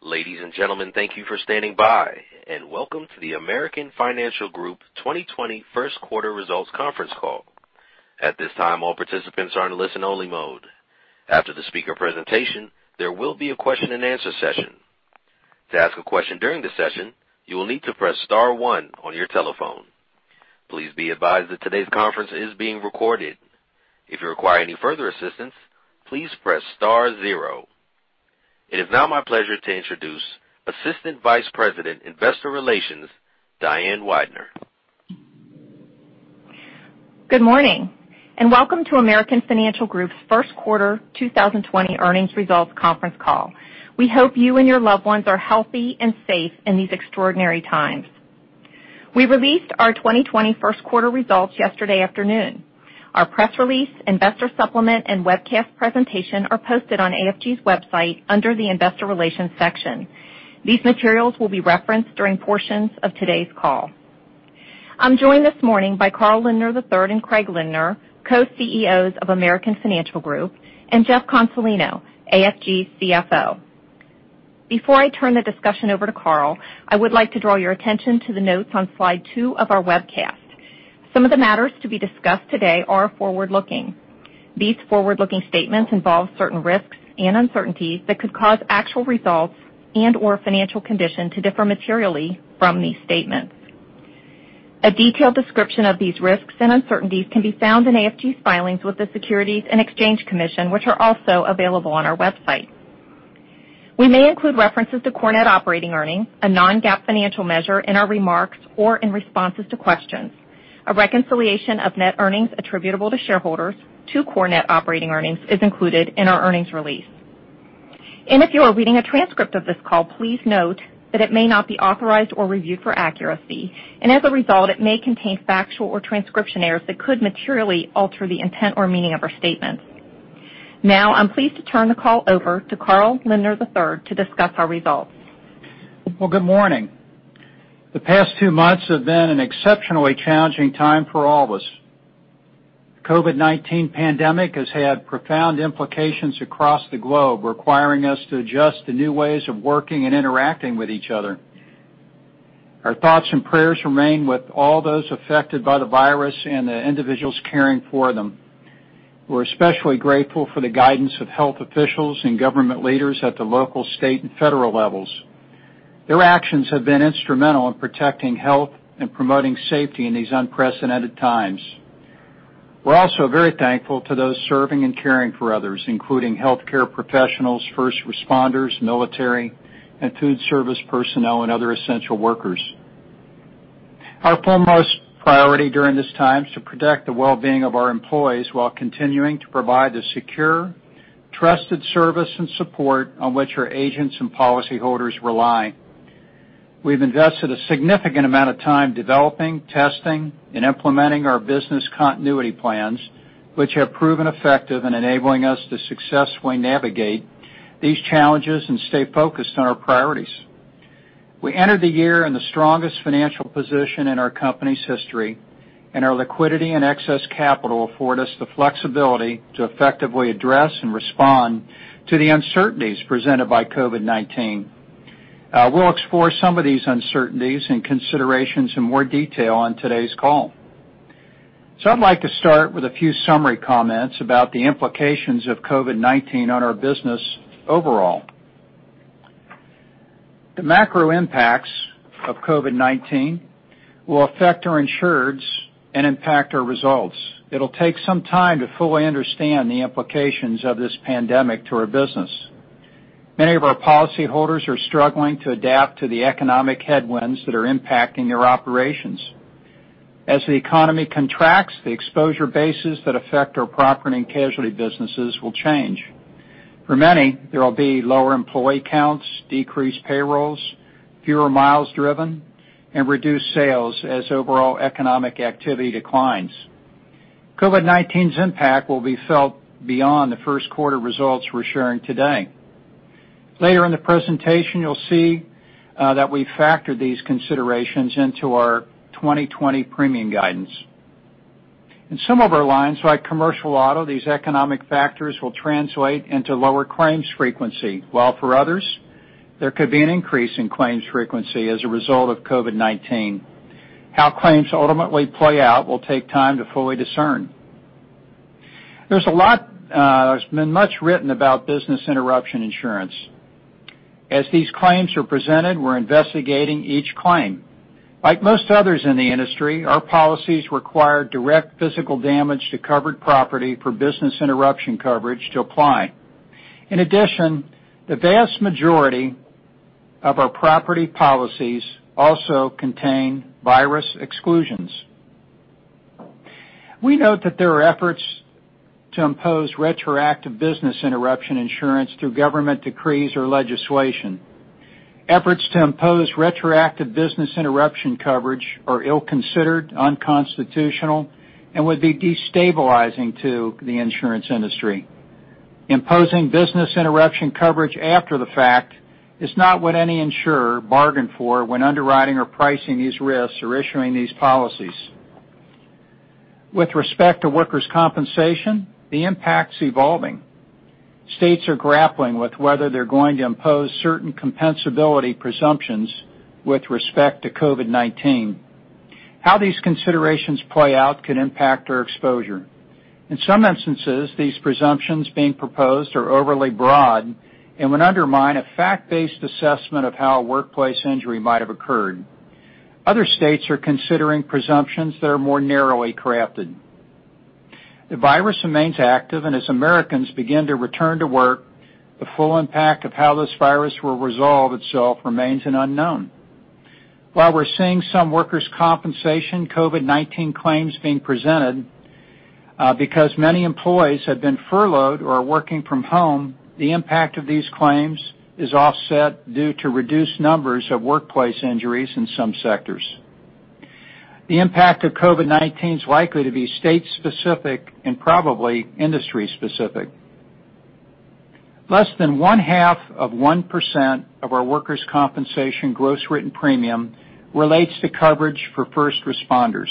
Ladies and gentlemen, thank you for standing by, and welcome to the American Financial Group 2020 first quarter results conference call. At this time, all participants are in listen only mode. After the speaker presentation, there will be a question and answer session. To ask a question during the session, you will need to press star one on your telephone. Please be advised that today's conference is being recorded. If you require any further assistance, please press star zero. It is now my pleasure to introduce Assistant Vice President, Investor Relations, Diane Weidner. Good morning, welcome to American Financial Group's first quarter 2020 earnings results conference call. We hope you and your loved ones are healthy and safe in these extraordinary times. We released our 2020 first quarter results yesterday afternoon. Our press release, investor supplement, and webcast presentation are posted on AFG's website under the investor relations section. These materials will be referenced during portions of today's call. I'm joined this morning by Carl Lindner III and Craig Lindner, Co-CEOs of American Financial Group, and Jeff Consolino, AFG CFO. Before I turn the discussion over to Carl, I would like to draw your attention to the notes on slide two of our webcast. Some of the matters to be discussed today are forward-looking. These forward-looking statements involve certain risks and uncertainties that could cause actual results and/or financial condition to differ materially from these statements. A detailed description of these risks and uncertainties can be found in AFG's filings with the Securities and Exchange Commission, which are also available on our website. We may include references to core net operating earnings, a non-GAAP financial measure, in our remarks or in responses to questions. A reconciliation of net earnings attributable to shareholders to core net operating earnings is included in our earnings release. If you are reading a transcript of this call, please note that it may not be authorized or reviewed for accuracy, and as a result, it may contain factual or transcription errors that could materially alter the intent or meaning of our statements. Now, I'm pleased to turn the call over to Carl Lindner III to discuss our results. Well, good morning. The past two months have been an exceptionally challenging time for all of us. The COVID-19 pandemic has had profound implications across the globe, requiring us to adjust to new ways of working and interacting with each other. Our thoughts and prayers remain with all those affected by the virus and the individuals caring for them. We're especially grateful for the guidance of health officials and government leaders at the local, state, and federal levels. Their actions have been instrumental in protecting health and promoting safety in these unprecedented times. We're also very thankful to those serving and caring for others, including healthcare professionals, first responders, military, and food service personnel, and other essential workers. Our foremost priority during this time is to protect the well-being of our employees while continuing to provide the secure, trusted service and support on which our agents and policyholders rely. We've invested a significant amount of time developing, testing, and implementing our business continuity plans, which have proven effective in enabling us to successfully navigate these challenges and stay focused on our priorities. We entered the year in the strongest financial position in our company's history, and our liquidity and excess capital afford us the flexibility to effectively address and respond to the uncertainties presented by COVID-19. We'll explore some of these uncertainties and considerations in more detail on today's call. I'd like to start with a few summary comments about the implications of COVID-19 on our business overall. The macro impacts of COVID-19 will affect our insureds and impact our results. It'll take some time to fully understand the implications of this pandemic to our business. Many of our policyholders are struggling to adapt to the economic headwinds that are impacting their operations. As the economy contracts, the exposure bases that affect our property and casualty businesses will change. For many, there will be lower employee counts, decreased payrolls, fewer miles driven, and reduced sales as overall economic activity declines. COVID-19's impact will be felt beyond the first quarter results we're sharing today. Later in the presentation, you'll see that we factored these considerations into our 2020 premium guidance. In some of our lines, like commercial auto, these economic factors will translate into lower claims frequency. While for others, there could be an increase in claims frequency as a result of COVID-19. How claims ultimately play out will take time to fully discern. There's been much written about business interruption insurance. As these claims are presented, we're investigating each claim. Like most others in the industry, our policies require direct physical damage to covered property for business interruption coverage to apply. In addition, the vast majority of our property policies also contain virus exclusions. We note that there are efforts to impose retroactive business interruption insurance through government decrees or legislation. Efforts to impose retroactive business interruption coverage are ill-considered, unconstitutional, and would be destabilizing to the insurance industry. Imposing business interruption coverage after the fact is not what any insurer bargained for when underwriting or pricing these risks or issuing these policies. With respect to workers' compensation, the impact's evolving. States are grappling with whether they're going to impose certain compensability presumptions with respect to COVID-19. How these considerations play out could impact our exposure. In some instances, these presumptions being proposed are overly broad and would undermine a fact-based assessment of how a workplace injury might have occurred. Other states are considering presumptions that are more narrowly crafted. The virus remains active, and as Americans begin to return to work, the full impact of how this virus will resolve itself remains an unknown. While we're seeing some workers' compensation COVID-19 claims being presented, because many employees have been furloughed or are working from home, the impact of these claims is offset due to reduced numbers of workplace injuries in some sectors. The impact of COVID-19 is likely to be state-specific and probably industry-specific. Less than one-half of 1% of our workers' compensation gross written premium relates to coverage for first responders,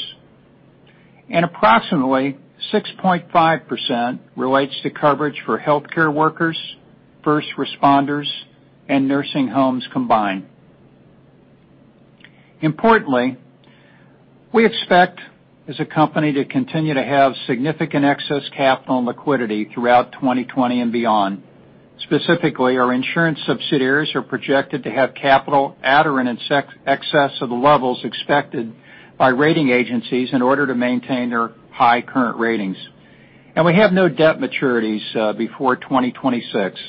and approximately 6.5% relates to coverage for healthcare workers, first responders, and nursing homes combined. Importantly, we expect as a company to continue to have significant excess capital and liquidity throughout 2020 and beyond. Specifically, our insurance subsidiaries are projected to have capital at or in excess of the levels expected by rating agencies in order to maintain their high current ratings. We have no debt maturities before 2026.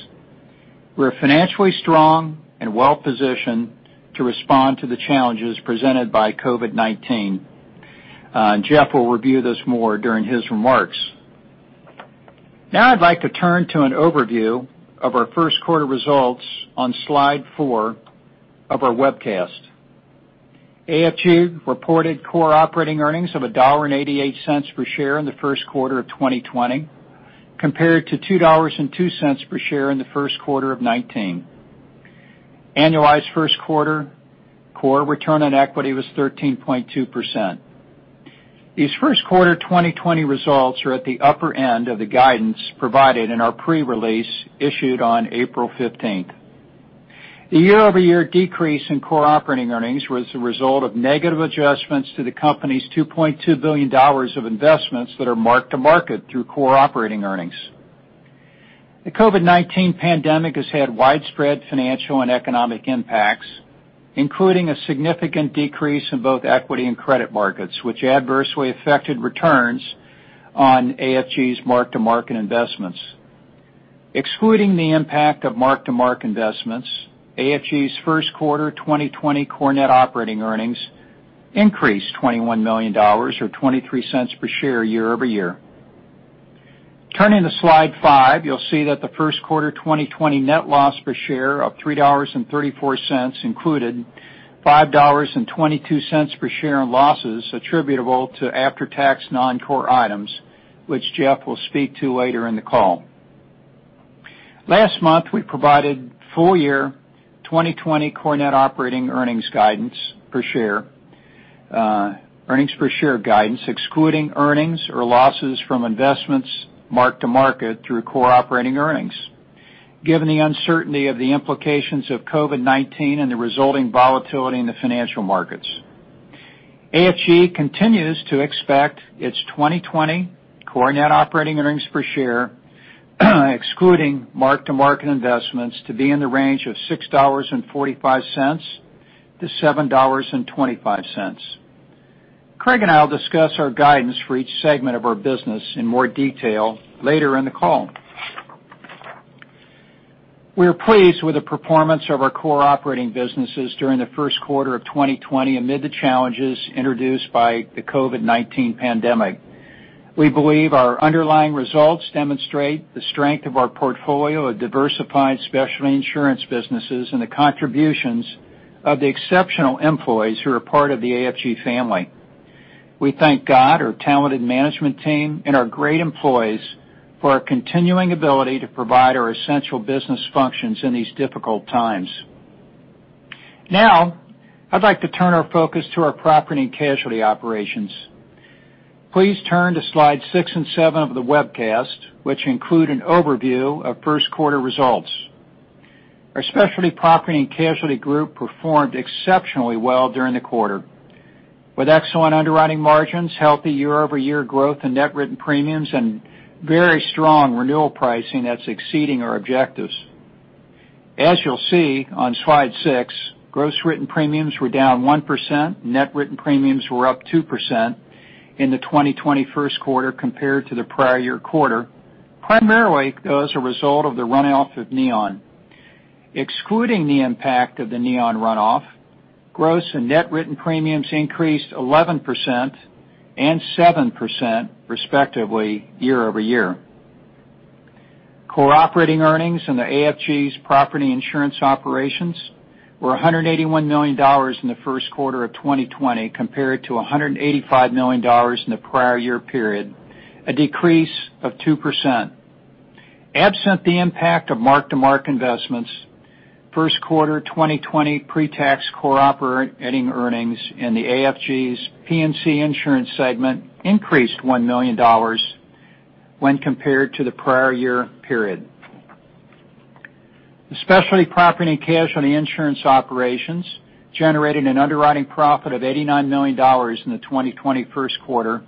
We're financially strong and well-positioned to respond to the challenges presented by COVID-19. Jeff will review this more during his remarks. I'd like to turn to an overview of our first quarter results on Slide four of our webcast. AFG reported core operating earnings of $1.88 per share in the first quarter of 2020, compared to $2.02 per share in the first quarter of 2019. Annualized first quarter core return on equity was 13.2%. These first quarter 2020 results are at the upper end of the guidance provided in our pre-release issued on April 15th. The year-over-year decrease in core operating earnings was the result of negative adjustments to the company's $2.2 billion of investments that are mark-to-market through core operating earnings. The COVID-19 pandemic has had widespread financial and economic impacts, including a significant decrease in both equity and credit markets, which adversely affected returns on AFG's mark-to-market investments. Excluding the impact of mark-to-market investments, AFG's first quarter 2020 core net operating earnings increased $21 million, or $0.23 per share, year-over-year. Turning to Slide five, you'll see that the first quarter 2020 net loss per share of $3.34 included $5.22 per share in losses attributable to after-tax non-core items, which Jeff will speak to later in the call. Last month, we provided full year 2020 core net operating earnings per share guidance, excluding earnings or losses from investments mark-to-market through core operating earnings given the uncertainty of the implications of COVID-19 and the resulting volatility in the financial markets. AFG continues to expect its 2020 core net operating earnings per share, excluding mark-to-market investments, to be in the range of $6.45-$7.25. Craig and I'll discuss our guidance for each segment of our business in more detail later in the call. We are pleased with the performance of our core operating businesses during the first quarter of 2020 amid the challenges introduced by the COVID-19 pandemic. We believe our underlying results demonstrate the strength of our portfolio of diversified specialty insurance businesses and the contributions of the exceptional employees who are part of the AFG family. We thank God, our talented management team, and our great employees for our continuing ability to provide our essential business functions in these difficult times. I'd like to turn our focus to our property and casualty operations. Please turn to Slides six and seven of the webcast, which include an overview of first quarter results. Our Specialty Property and Casualty Group performed exceptionally well during the quarter, with excellent underwriting margins, healthy year-over-year growth in net written premiums, and very strong renewal pricing that's exceeding our objectives. As you'll see on Slide six, gross written premiums were down 1%, net written premiums were up 2% in the 2020 first quarter compared to the prior year quarter, primarily as a result of the runoff of Neon. Excluding the impact of the Neon runoff, gross and net written premiums increased 11% and 7%, respectively, year-over-year. Core operating earnings in the AFG's property insurance operations were $181 million in the first quarter of 2020 compared to $185 million in the prior year period, a decrease of 2%. Absent the impact of mark-to-market investments, first quarter 2020 pre-tax core operating earnings in the AFG's P&C insurance segment increased $1 million when compared to the prior year period. The Specialty Property and Casualty insurance operations generated an underwriting profit of $89 million in the 2020 first quarter,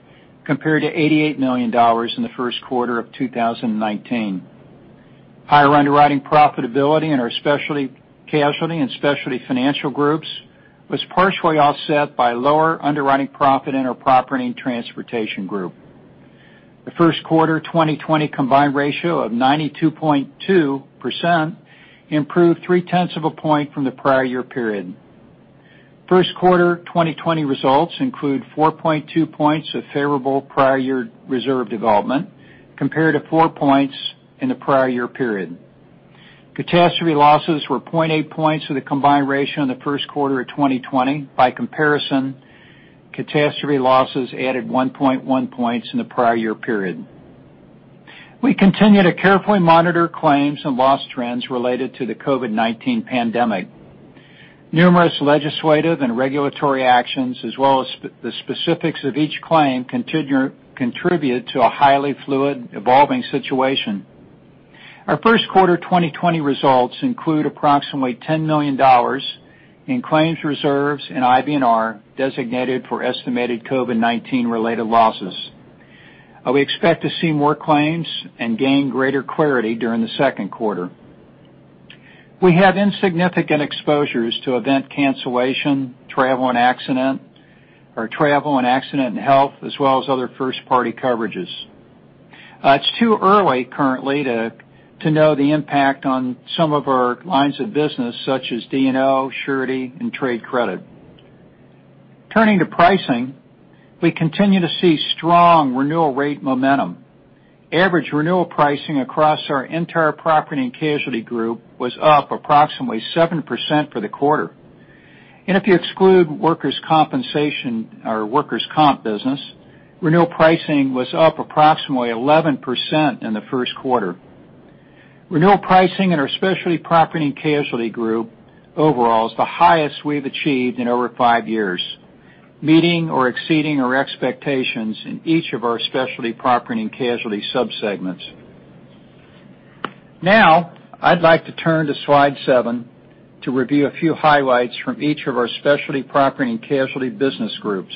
compared to $88 million in the first quarter of 2019. Higher underwriting profitability in our Specialty Casualty and Specialty Financial Groups was partially offset by lower underwriting profit in our Property and Transportation Group. The first quarter 2020 combined ratio of 92.2% improved three-tenths of a point from the prior year period. First quarter 2020 results include 4.2 points of favorable prior year reserve development, compared to four points in the prior year period. Catastrophe losses were 0.8 points of the combined ratio in the first quarter of 2020. By comparison, catastrophe losses added 1.1 points in the prior year period. We continue to carefully monitor claims and loss trends related to the COVID-19 pandemic. Numerous legislative and regulatory actions, as well as the specifics of each claim, contribute to a highly fluid, evolving situation. Our first quarter 2020 results include approximately $10 million in claims reserves and IBNR designated for estimated COVID-19 related losses. We expect to see more claims and gain greater clarity during the second quarter. We had insignificant exposures to event cancellation, travel and accident, or travel and accident and health, as well as other first-party coverages. It's too early currently to know the impact on some of our lines of business such as D&O, surety, and trade credit. Turning to pricing, we continue to see strong renewal rate momentum. Average renewal pricing across our entire property and casualty group was up approximately 7% for the quarter. If you exclude workers' compensation, our workers' comp business, renewal pricing was up approximately 11% in the first quarter. Renewal pricing in our Specialty Property and Casualty Group overall is the highest we've achieved in over five years, meeting or exceeding our expectations in each of our Specialty Property and Casualty subsegments. I'd like to turn to slide seven to review a few highlights from each of our Specialty Property and Casualty business groups.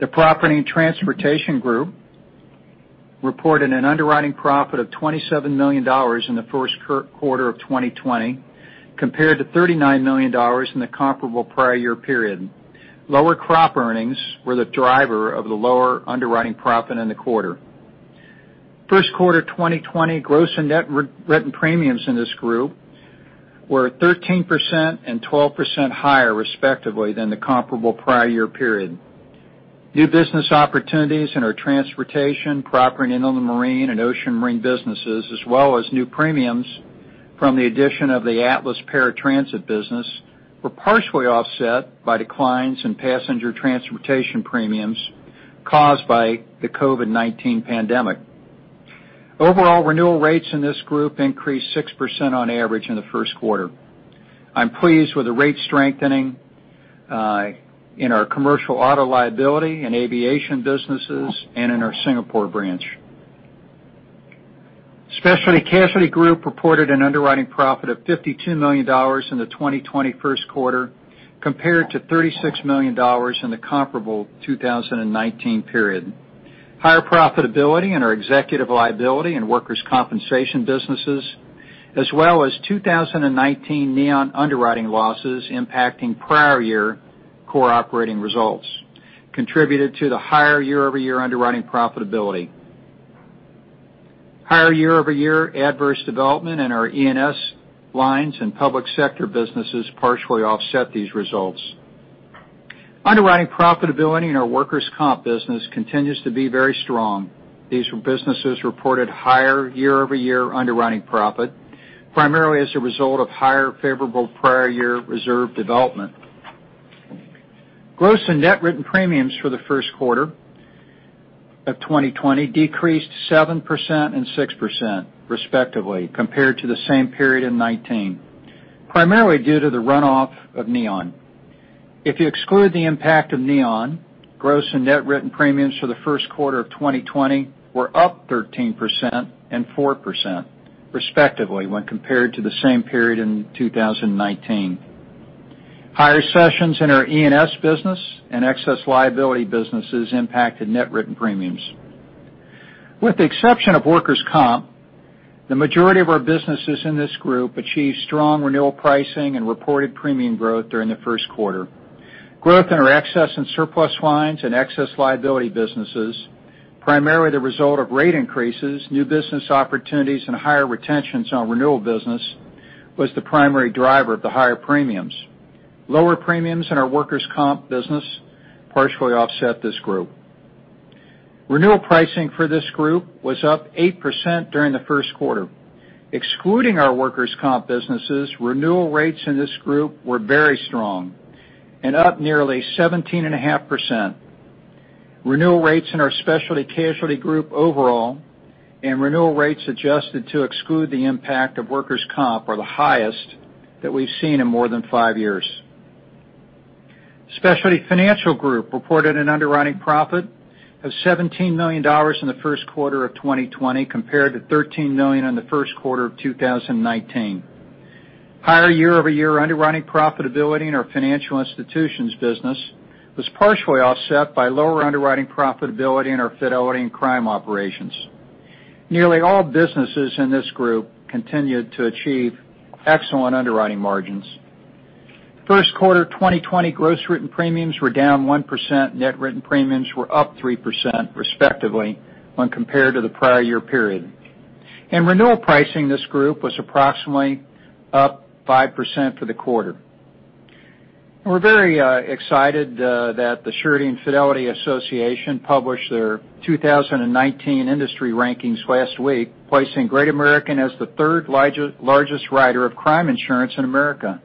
The Property and Transportation Group reported an underwriting profit of $27 million in the first quarter of 2020, compared to $39 million in the comparable prior year period. Lower crop earnings were the driver of the lower underwriting profit in the quarter. First quarter 2020 gross and net written premiums in this group were 13% and 12% higher, respectively, than the comparable prior year period. New business opportunities in our transportation, property and inland marine, and ocean marine businesses, as well as new premiums from the addition of the Atlas Paratransit business, were partially offset by declines in passenger transportation premiums caused by the COVID-19 pandemic. Overall renewal rates in this group increased 6% on average in the first quarter. I'm pleased with the rate strengthening in our commercial auto liability and aviation businesses and in our Singapore branch. Specialty Casualty Group reported an underwriting profit of $52 million in the 2020 first quarter compared to $36 million in the comparable 2019 period. Higher profitability in our executive liability and workers' compensation businesses, as well as 2019 Neon underwriting losses impacting prior year core operating results contributed to the higher year-over-year underwriting profitability. Higher year-over-year adverse development in our E&S lines and public sector businesses partially offset these results. Underwriting profitability in our workers' comp business continues to be very strong. These businesses reported higher year-over-year underwriting profit, primarily as a result of higher favorable prior year reserve development. Gross and net written premiums for the first quarter of 2020 decreased 7% and 6%, respectively, compared to the same period in 2019, primarily due to the runoff of Neon. If you exclude the impact of Neon, gross and net written premiums for the first quarter of 2020 were up 13% and 4%, respectively, when compared to the same period in 2019. Higher sessions in our E&S business and excess liability businesses impacted net written premiums. With the exception of workers' comp, the majority of our businesses in this group achieved strong renewal pricing and reported premium growth during the first quarter. Growth in our excess and surplus lines and excess liability businesses, primarily the result of rate increases, new business opportunities, and higher retentions on renewal business, was the primary driver of the higher premiums. Lower premiums in our workers' comp business partially offset this group. Renewal pricing for this group was up 8% during the first quarter. Excluding our workers' comp businesses, renewal rates in this group were very strong. Up nearly 17.5%. Renewal rates in our Specialty Casualty Group overall and renewal rates adjusted to exclude the impact of workers' comp are the highest that we've seen in more than five years. Specialty Financial Group reported an underwriting profit of $17 million in the first quarter of 2020, compared to $13 million in the first quarter of 2019. Higher year-over-year underwriting profitability in our financial institutions business was partially offset by lower underwriting profitability in our fidelity and crime operations. Nearly all businesses in this group continued to achieve excellent underwriting margins. First quarter 2020 gross written premiums were down 1%, net written premiums were up 3%, respectively, when compared to the prior year period. Renewal pricing in this group was approximately up 5% for the quarter. We're very excited that the Surety & Fidelity Association published their 2019 industry rankings last week, placing Great American as the third largest writer of crime insurance in America.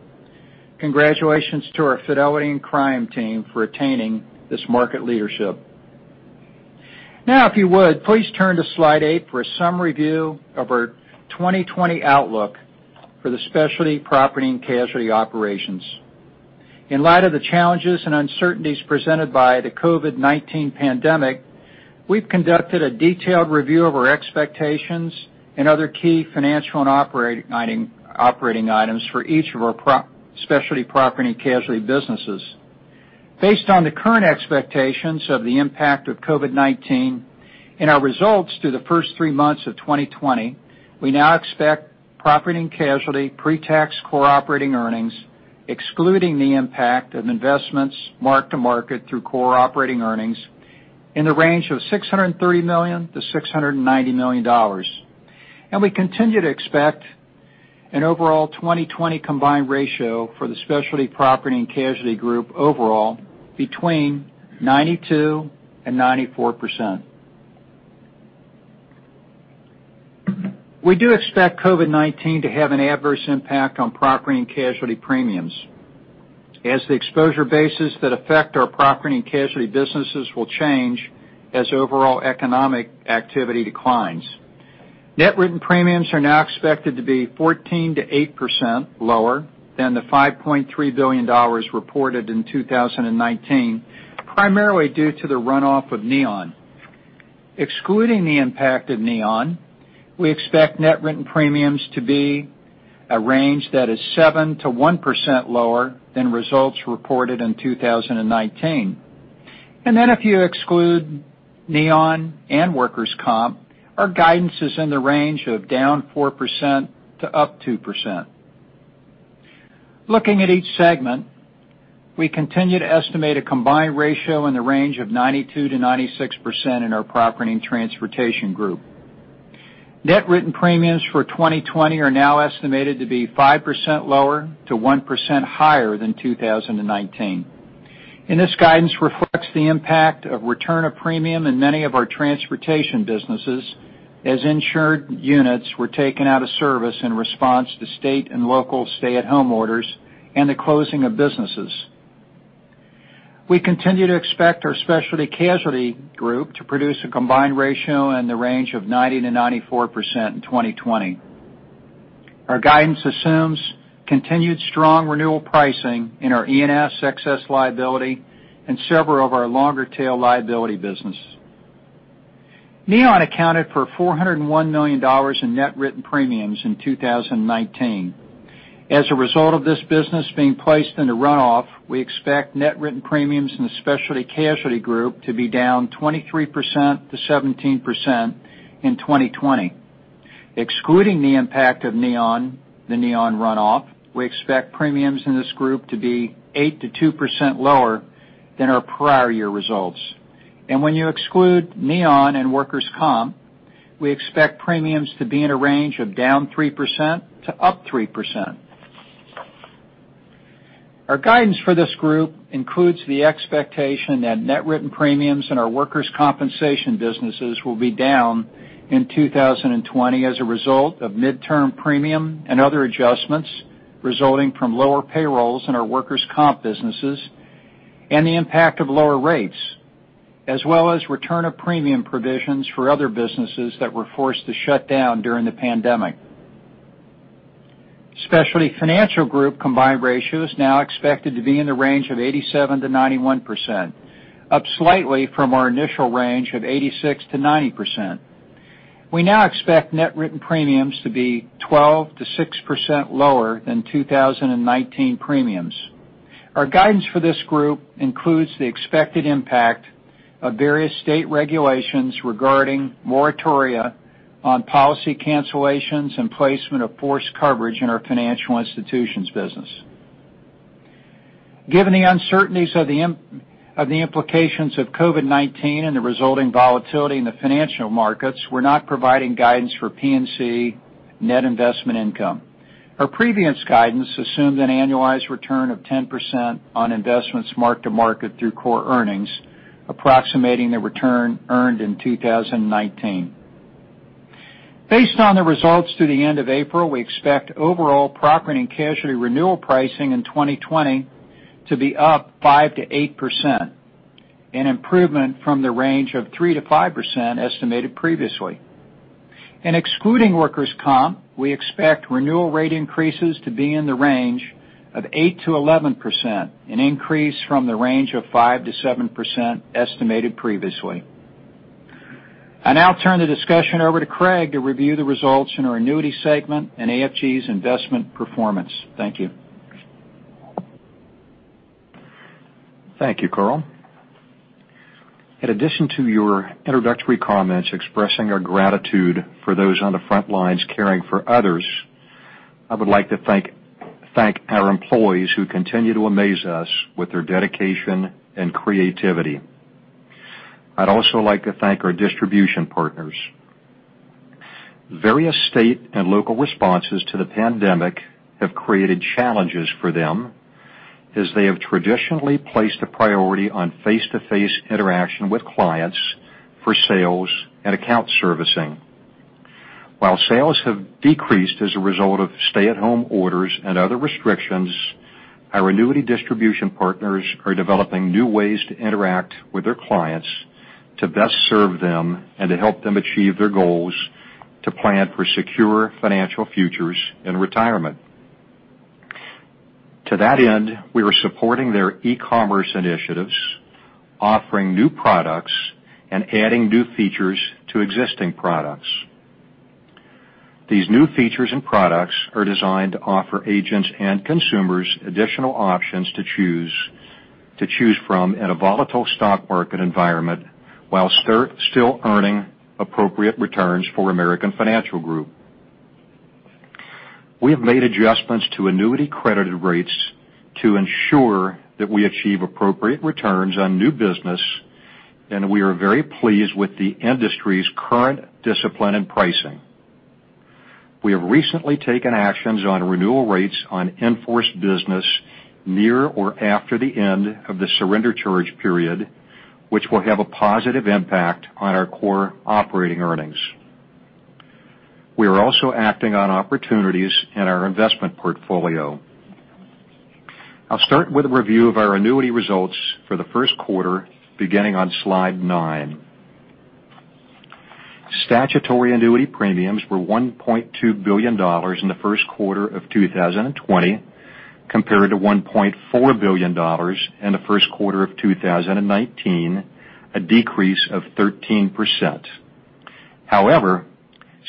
Congratulations to our fidelity and crime team for attaining this market leadership. If you would, please turn to slide eight for a summary view of our 2020 outlook for the Specialty Property and Casualty operations. In light of the challenges and uncertainties presented by the COVID-19 pandemic, we've conducted a detailed review of our expectations and other key financial and operating items for each of our specialty property and casualty businesses. Based on the current expectations of the impact of COVID-19 and our results through the first three months of 2020, we now expect property and casualty pre-tax core operating earnings, excluding the impact of investments marked to market through core operating earnings, in the range of $630 million to $690 million. We continue to expect an overall 2020 combined ratio for the Specialty Property and Casualty Group overall between 92% and 94%. We do expect COVID-19 to have an adverse impact on property and casualty premiums as the exposure bases that affect our property and casualty businesses will change as overall economic activity declines. Net written premiums are now expected to be 14%-8% lower than the $5.3 billion reported in 2019, primarily due to the runoff of Neon. Excluding the impact of Neon, we expect net written premiums to be a range that is 7%-1% lower than results reported in 2019. If you exclude Neon and workers' comp, our guidance is in the range of down 4% to up 2%. Looking at each segment, we continue to estimate a combined ratio in the range of 92%-96% in our Property and Transportation Group. Net written premiums for 2020 are now estimated to be 5% lower to 1% higher than 2019, and this guidance reflects the impact of return of premium in many of our transportation businesses as insured units were taken out of service in response to state and local stay-at-home orders and the closing of businesses. We continue to expect our Specialty Casualty Group to produce a combined ratio in the range of 90%-94% in 2020. Our guidance assumes continued strong renewal pricing in our E&S excess liability and several of our longer-tail liability business. Neon accounted for $401 million in net written premiums in 2019. As a result of this business being placed into runoff, we expect net written premiums in the Specialty Casualty Group to be down 23%-17% in 2020. Excluding the impact of the Neon runoff, we expect premiums in this group to be 8%-2% lower than our prior year results. When you exclude Neon and workers' comp, we expect premiums to be in a range of down 3% to up 3%. Our guidance for this group includes the expectation that net written premiums in our workers' compensation businesses will be down in 2020 as a result of midterm premium and other adjustments resulting from lower payrolls in our workers' comp businesses and the impact of lower rates, as well as return of premium provisions for other businesses that were forced to shut down during the pandemic. Specialty Financial Group combined ratio is now expected to be in the range of 87%-91%, up slightly from our initial range of 86%-90%. We now expect net written premiums to be 12%-6% lower than 2019 premiums. Our guidance for this group includes the expected impact of various state regulations regarding moratoria on policy cancellations and placement of forced coverage in our financial institutions business. Given the uncertainties of the implications of COVID-19 and the resulting volatility in the financial markets, we're not providing guidance for P&C net investment income. Our previous guidance assumed an annualized return of 10% on investments mark-to-market through core earnings, approximating the return earned in 2019. Based on the results through the end of April, we expect overall property and casualty renewal pricing in 2020 to be up 5%-8%, an improvement from the range of 3%-5% estimated previously. Excluding workers' comp, we expect renewal rate increases to be in the range of 8%-11%, an increase from the range of 5%-7% estimated previously. I now turn the discussion over to Craig to review the results in our Annuity segment and AFG's investment performance. Thank you. Thank you, Carl. In addition to your introductory comments expressing our gratitude for those on the front lines caring for others, I would like to thank our employees who continue to amaze us with their dedication and creativity. I'd also like to thank our distribution partners. Various state and local responses to the pandemic have created challenges for them as they have traditionally placed a priority on face-to-face interaction with clients for sales and account servicing. While sales have decreased as a result of stay-at-home orders and other restrictions, our annuity distribution partners are developing new ways to interact with their clients to best serve them and to help them achieve their goals to plan for secure financial futures in retirement. To that end, we are supporting their e-commerce initiatives, offering new products, and adding new features to existing products. These new features and products are designed to offer agents and consumers additional options to choose from in a volatile stock market environment while still earning appropriate returns for American Financial Group. We have made adjustments to annuity credited rates to ensure that we achieve appropriate returns on new business, and we are very pleased with the industry's current discipline and pricing. We have recently taken actions on renewal rates on in-force business near or after the end of the surrender charge period, which will have a positive impact on our core operating earnings. We are also acting on opportunities in our investment portfolio. I'll start with a review of our Annuity results for the first quarter, beginning on slide nine. statutory annuity premiums were $1.2 billion in the first quarter of 2020, compared to $1.4 billion in the first quarter of 2019, a decrease of 13%. However,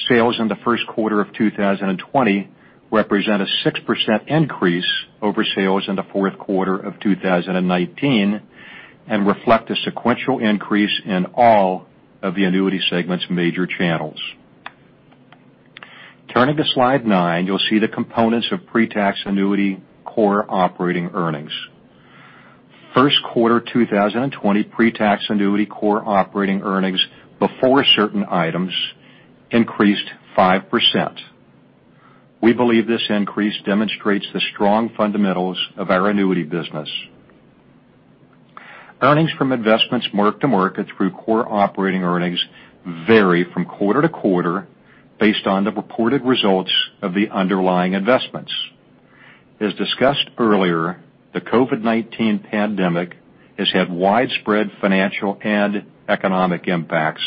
sales in the first quarter of 2020 represent a 6% increase over sales in the fourth quarter of 2019 and reflect a sequential increase in all of the Annuity segment's major channels. Turning to slide nine, you'll see the components of pre-tax annuity core operating earnings. First quarter 2020 pre-tax annuity core operating earnings before certain items increased 5%. We believe this increase demonstrates the strong fundamentals of our Annuity business. Earnings from investments mark-to-market through core operating earnings vary from quarter to quarter based on the reported results of the underlying investments. As discussed earlier, the COVID-19 pandemic has had widespread financial and economic impacts,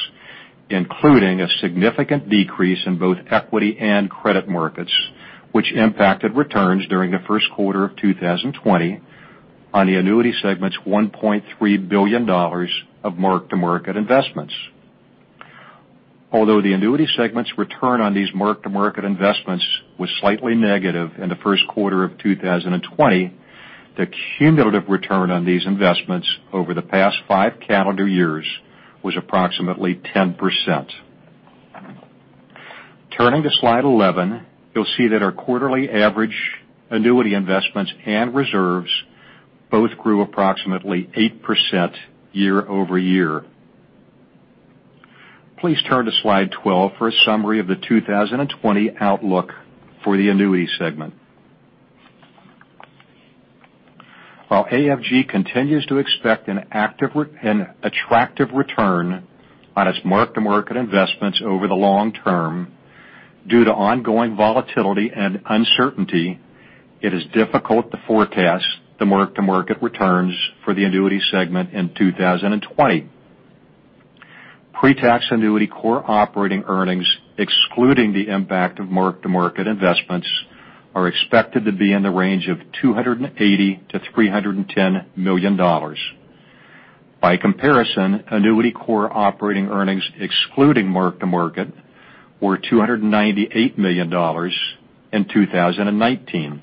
including a significant decrease in both equity and credit markets, which impacted returns during the first quarter of 2020 on the Annuity segment's $1.3 billion of mark-to-market investments. Although the Annuity segment's return on these mark-to-market investments was slightly negative in the first quarter of 2020, the cumulative return on these investments over the past five calendar years was approximately 10%. Turning to slide 11, you'll see that our quarterly average annuity investments and reserves both grew approximately 8% year-over-year. Please turn to slide 12 for a summary of the 2020 outlook for the Annuity segment. While AFG continues to expect an attractive return on its mark-to-market investments over the long term, due to ongoing volatility and uncertainty, it is difficult to forecast the mark-to-market returns for the Annuity segment in 2020. Pre-tax annuity core operating earnings, excluding the impact of mark-to-market investments, are expected to be in the range of $280 million-$310 million. By comparison, annuity core operating earnings excluding mark-to-market were $298 million in 2019.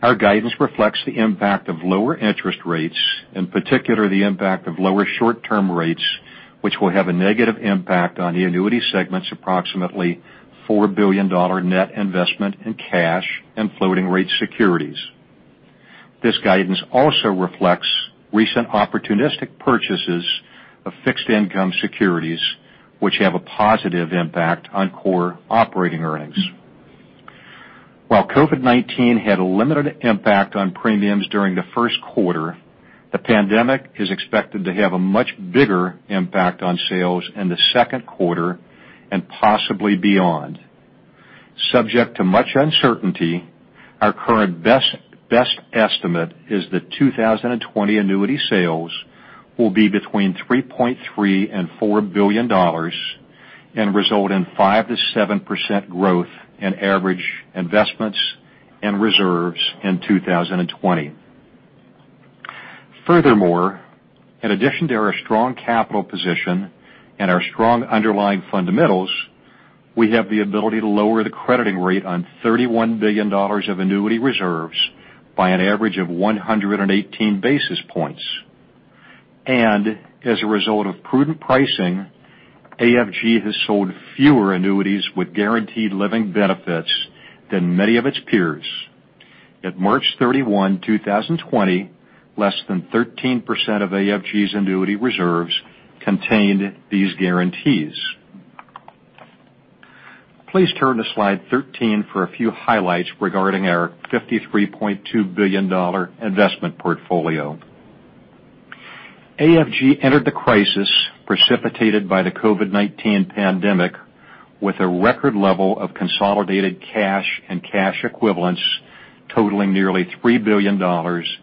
Our guidance reflects the impact of lower interest rates, in particular, the impact of lower short-term rates, which will have a negative impact on the Annuity segment's approximately $4 billion net investment in cash and floating rate securities. This guidance also reflects recent opportunistic purchases of fixed income securities, which have a positive impact on core operating earnings. While COVID-19 had a limited impact on premiums during the first quarter, the pandemic is expected to have a much bigger impact on sales in the second quarter and possibly beyond. Subject to much uncertainty, our current best estimate is that 2020 annuity sales will be between $3.3 billion and $4 billion and result in 5%-7% growth in average investments and reserves in 2020. In addition to our strong capital position and our strong underlying fundamentals, we have the ability to lower the crediting rate on $31 billion of annuity reserves by an average of 118 basis points. As a result of prudent pricing, AFG has sold fewer annuities with guaranteed living benefits than many of its peers. At March 31, 2020, less than 13% of AFG's annuity reserves contained these guarantees. Please turn to slide 13 for a few highlights regarding our $53.2 billion investment portfolio. AFG entered the crisis precipitated by the COVID-19 pandemic with a record level of consolidated cash and cash equivalents totaling nearly $3 billion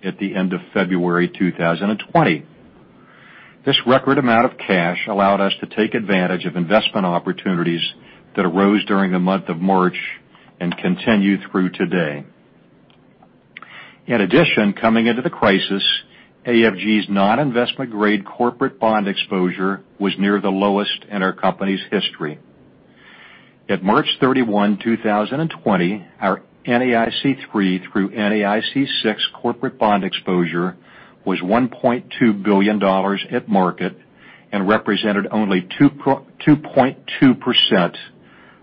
at the end of February 2020. This record amount of cash allowed us to take advantage of investment opportunities that arose during the month of March and continue through today. Coming into the crisis, AFG's non-investment grade corporate bond exposure was near the lowest in our company's history. At March 31, 2020, our NAIC 3 through NAIC 6 corporate bond exposure was $1.2 billion at market and represented only 2.2%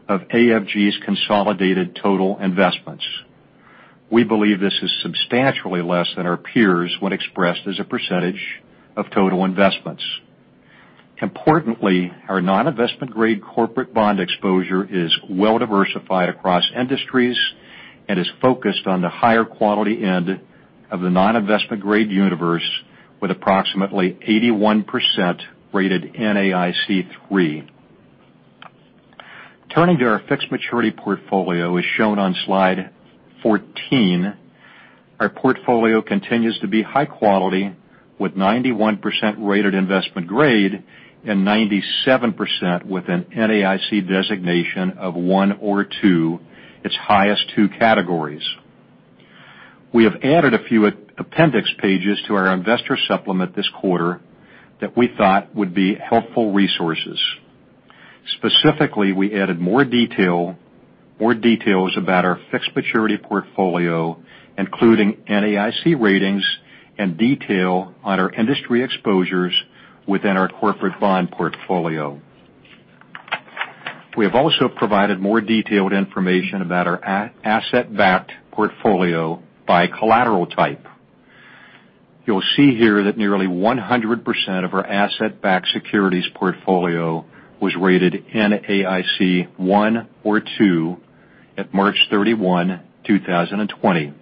of AFG's consolidated total investments. We believe this is substantially less than our peers when expressed as a percentage of total investments. Importantly, our non-investment grade corporate bond exposure is well diversified across industries and is focused on the higher quality end of the non-investment grade universe with approximately 81% rated NAIC 3. Turning to our fixed maturity portfolio as shown on slide 14, our portfolio continues to be high quality with 91% rated investment grade and 97% with an NAIC designation of 1 or 2, its highest two categories. We have added a few appendix pages to our investor supplement this quarter that we thought would be helpful resources. Specifically, we added more details about our fixed maturity portfolio, including NAIC ratings and detail on our industry exposures within our corporate bond portfolio. We have also provided more detailed information about our asset-backed portfolio by collateral type. You'll see here that nearly 100% of our asset-backed securities portfolio was rated NAIC 1 or 2 at March 31, 2020.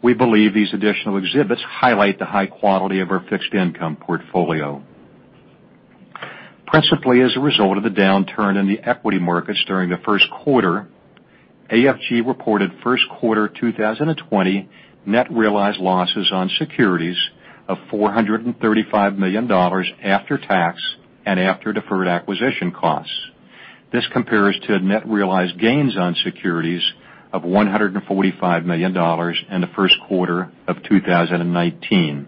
We believe these additional exhibits highlight the high quality of our fixed income portfolio. Principally as a result of the downturn in the equity markets during the first quarter, AFG reported first quarter 2020 net realized losses on securities of $435 million after tax and after deferred acquisition costs. This compares to net realized gains on securities of $145 million in the first quarter of 2019.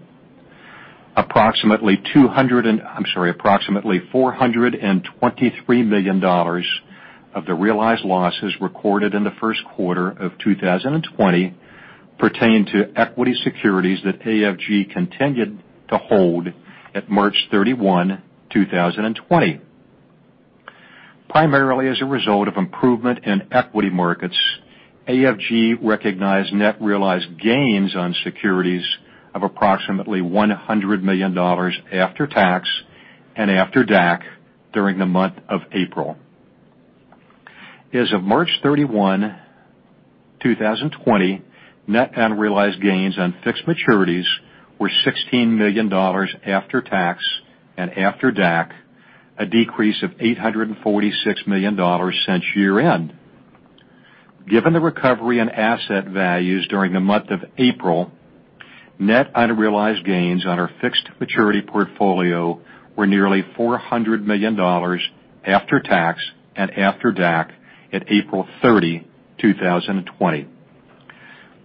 Approximately $423 million of the realized losses recorded in the first quarter of 2020 pertain to equity securities that AFG continued to hold at March 31, 2020. Primarily as a result of improvement in equity markets, AFG recognized net realized gains on securities of approximately $100 million after tax and after DAC during the month of April. As of March 31, 2020, net unrealized gains on fixed maturities were $16 million after tax and after DAC, a decrease of $846 million since year-end. Given the recovery in asset values during the month of April, net unrealized gains on our fixed maturity portfolio were nearly $400 million after tax and after DAC at April 30, 2020.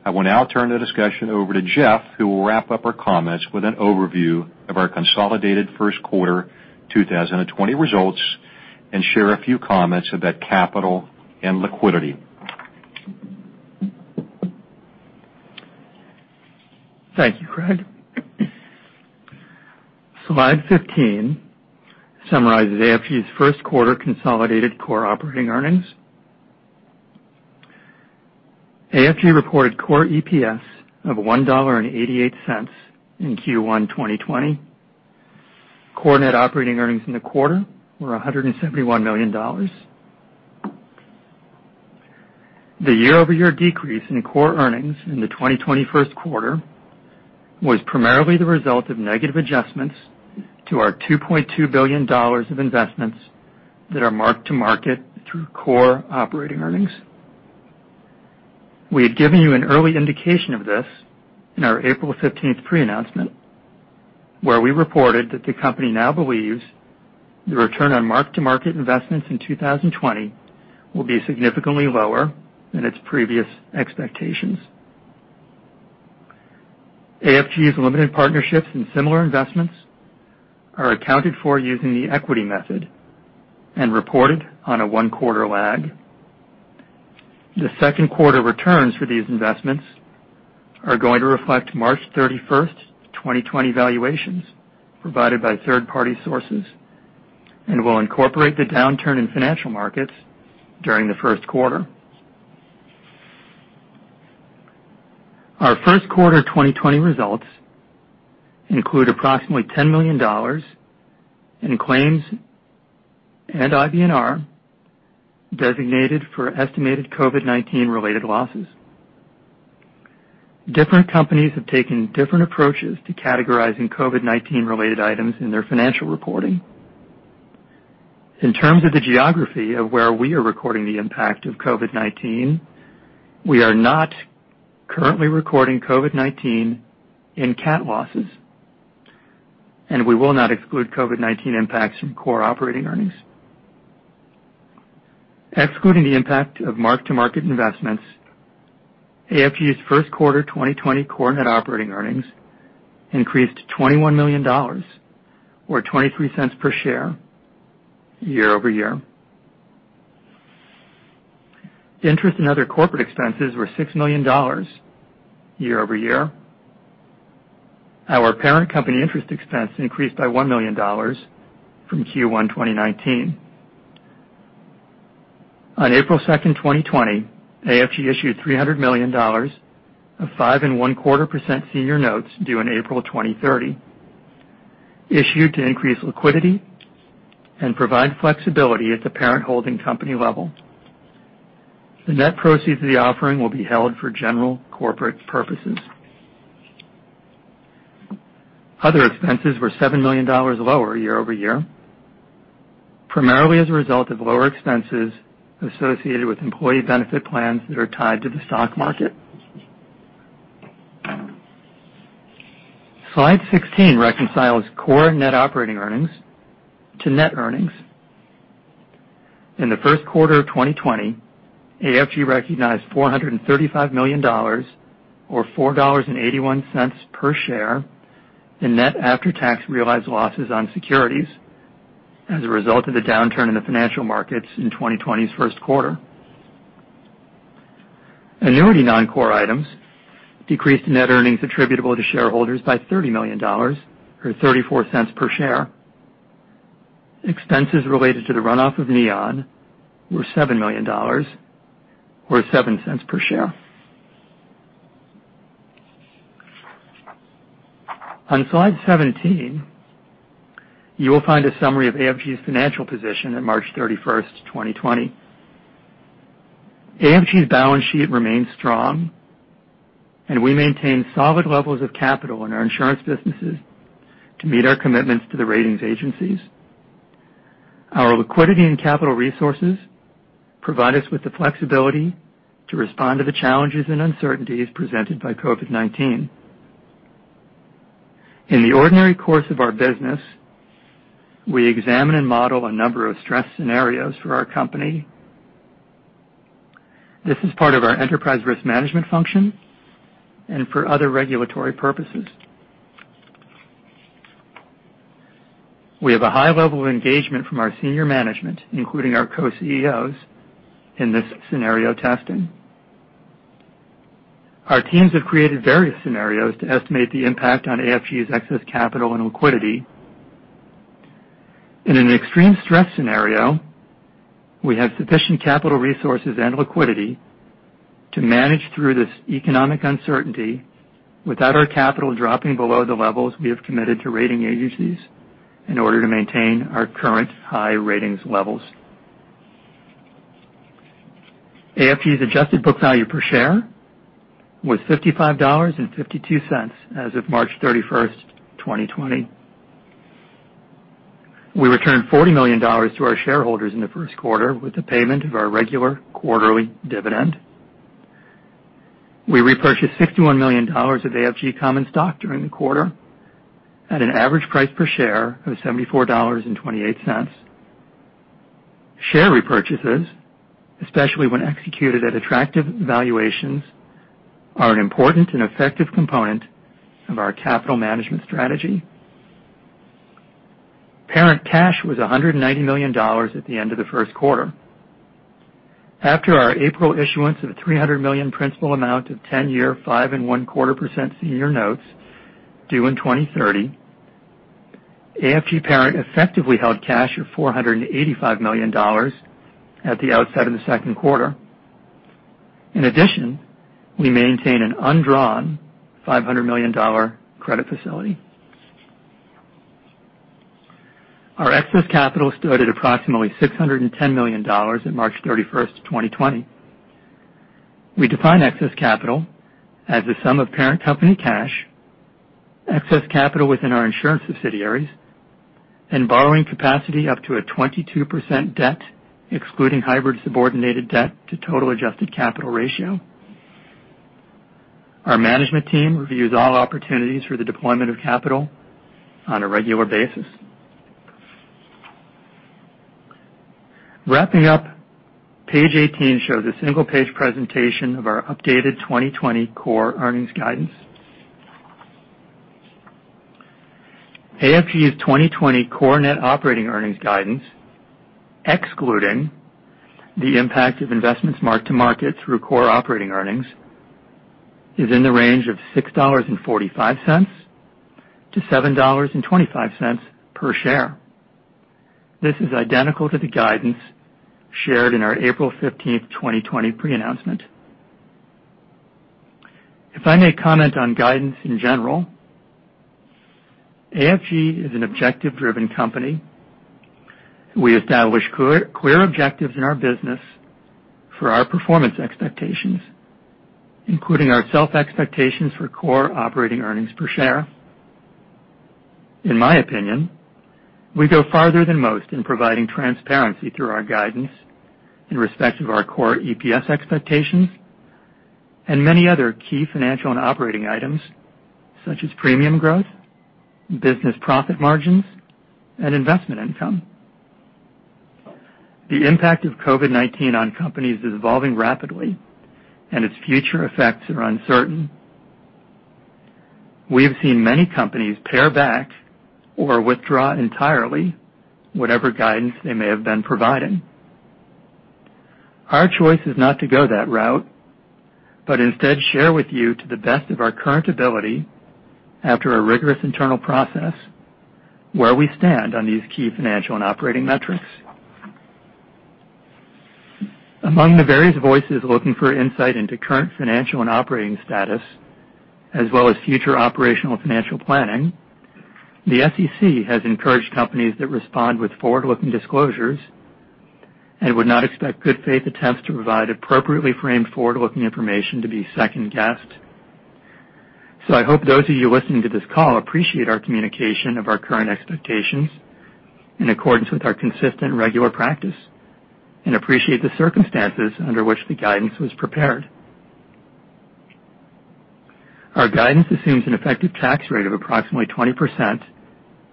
I will now turn the discussion over to Jeff, who will wrap up our comments with an overview of our consolidated first quarter 2020 results and share a few comments about capital and liquidity. Thank you, Craig. Slide 15 summarizes AFG's first quarter consolidated core operating earnings. AFG reported core EPS of $1.88 in Q1 2020. Core net operating earnings in the quarter were $171 million. The year-over-year decrease in core earnings in the 2020 first quarter was primarily the result of negative adjustments to our $2.2 billion of investments that are mark-to-market through core operating earnings. We had given you an early indication of this in our April 15th pre-announcement, where we reported that the company now believes the return on mark-to-market investments in 2020 will be significantly lower than its previous expectations. AFG's limited partnerships and similar investments are accounted for using the equity method and reported on a one-quarter lag. The second quarter returns for these investments are going to reflect March 31st, 2020 valuations provided by third-party sources and will incorporate the downturn in financial markets during the first quarter. Our first quarter 2020 results include approximately $10 million in claims and IBNR designated for estimated COVID-19 related losses. Different companies have taken different approaches to categorizing COVID-19 related items in their financial reporting. In terms of the geography of where we are recording the impact of COVID-19, we are not currently recording COVID-19 in cat losses, and we will not exclude COVID-19 impacts from core operating earnings. Excluding the impact of mark-to-market investments, AFG's first quarter 2020 core net operating earnings increased $21 million or $0.23 per share year-over-year. The interest in other corporate expenses were $6 million year-over-year. Our parent company interest expense increased by $1 million from Q1 2019. On April 2nd, 2020, AFG issued $300 million of 5.25% senior notes due in April 2030, issued to increase liquidity and provide flexibility at the parent holding company level. The net proceeds of the offering will be held for general corporate purposes. Other expenses were $7 million lower year-over-year, primarily as a result of lower expenses associated with employee benefit plans that are tied to the stock market. Slide 16 reconciles core net operating earnings to net earnings. In the first quarter of 2020, AFG recognized $435 million or $4.81 per share in net after-tax realized losses on securities as a result of the downturn in the financial markets in 2020's first quarter. Annuity non-core items decreased net earnings attributable to shareholders by $30 million or $0.34 per share. Expenses related to the runoff of Neon were $7 million or $0.07 per share. On slide 17, you will find a summary of AFG's financial position at March 31st, 2020. AFG's balance sheet remains strong, and we maintain solid levels of capital in our insurance businesses to meet our commitments to the ratings agencies. Our liquidity and capital resources provide us with the flexibility to respond to the challenges and uncertainties presented by COVID-19. In the ordinary course of our business, we examine and model a number of stress scenarios for our company. This is part of our enterprise risk management function and for other regulatory purposes. We have a high level of engagement from our senior management, including our co-CEOs, in this scenario testing. Our teams have created various scenarios to estimate the impact on AFG's excess capital and liquidity. In an extreme stress scenario, we have sufficient capital resources and liquidity to manage through this economic uncertainty without our capital dropping below the levels we have committed to rating agencies in order to maintain our current high ratings levels. AFG's adjusted book value per share was $55.52 as of March 31st, 2020. We returned $40 million to our shareholders in the first quarter with the payment of our regular quarterly dividend. We repurchased $61 million of AFG common stock during the quarter at an average price per share of $74.28. Share repurchases, especially when executed at attractive valuations, are an important and effective component of our capital management strategy. Parent cash was $190 million at the end of the first quarter. After our April issuance of $300 million principal amount of 10-year 5.25% senior notes due in 2030, AFG parent effectively held cash of $485 million at the outset of the second quarter. In addition, we maintain an undrawn $500 million credit facility. Our excess capital stood at approximately $610 million in March 31st, 2020. We define excess capital as the sum of parent company cash, excess capital within our insurance subsidiaries, and borrowing capacity up to a 22% debt, excluding hybrid subordinated debt to total adjusted capital ratio. Our management team reviews all opportunities for the deployment of capital on a regular basis. Wrapping up, page 18 shows a single-page presentation of our updated 2020 core earnings guidance. AFG's 2020 core net operating earnings guidance, excluding the impact of investments marked-to-market through core operating earnings, is in the range of $6.45 to $7.25 per share. This is identical to the guidance shared in our April 15th, 2020 pre-announcement. If I may comment on guidance in general, AFG is an objective-driven company. We establish clear objectives in our business for our performance expectations, including our self-expectations for core operating earnings per share. In my opinion, we go farther than most in providing transparency through our guidance in respect of our core EPS expectations and many other key financial and operating items such as premium growth, business profit margins, and investment income. The impact of COVID-19 on companies is evolving rapidly, and its future effects are uncertain. We have seen many companies pare back or withdraw entirely whatever guidance they may have been providing. Our choice is not to go that route, but instead share with you to the best of our current ability, after a rigorous internal process, where we stand on these key financial and operating metrics. Among the various voices looking for insight into current financial and operating status, as well as future operational financial planning, the SEC has encouraged companies that respond with forward-looking disclosures and would not expect good faith attempts to provide appropriately framed forward-looking information to be second-guessed. I hope those of you listening to this call appreciate our communication of our current expectations in accordance with our consistent regular practice and appreciate the circumstances under which the guidance was prepared. Our guidance assumes an effective tax rate of approximately 20%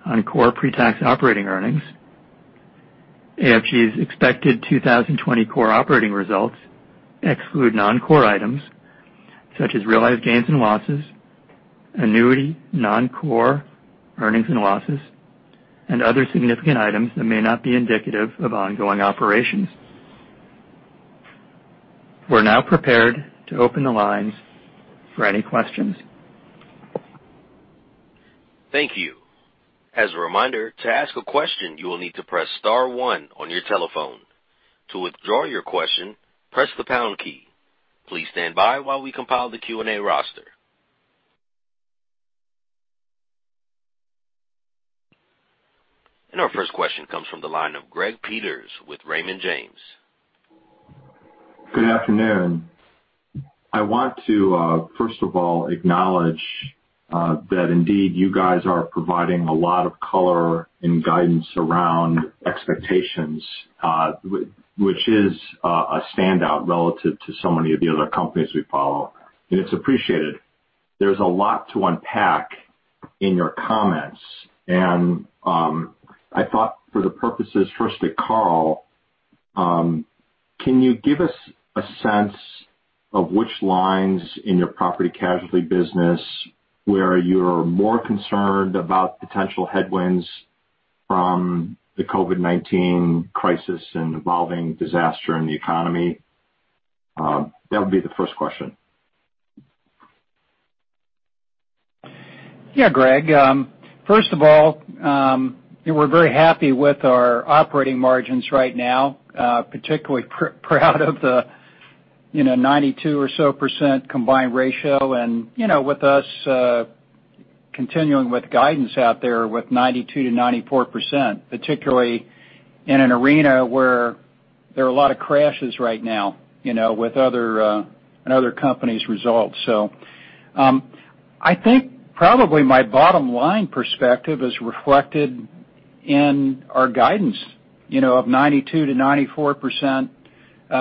on core pre-tax operating earnings. AFG's expected 2020 core operating results exclude non-core items such as realized gains and losses, annuity, non-core earnings and losses, and other significant items that may not be indicative of ongoing operations. We're now prepared to open the lines for any questions. Thank you. As a reminder, to ask a question, you will need to press star one on your telephone. To withdraw your question, press the pound key. Please stand by while we compile the Q&A roster. Our first question comes from the line of Gregory Peters with Raymond James. Good afternoon. I want to, first of all, acknowledge that indeed you guys are providing a lot of color and guidance around expectations, which is a standout relative to so many of the other companies we follow, and it's appreciated. There's a lot to unpack in your comments. I thought for the purposes first to Carl, can you give us a sense of which lines in your property and casualty business where you're more concerned about potential headwinds from the COVID-19 crisis and evolving disaster in the economy? That would be the first question. Yeah, Greg. First of all, we're very happy with our operating margins right now. Particularly proud of the 92% or so combined ratio and with us continuing with guidance out there with 92%-94%, particularly in an arena where there are a lot of crashes right now with other companies' results. I think probably my bottom line perspective is reflected in our guidance of 92%-94%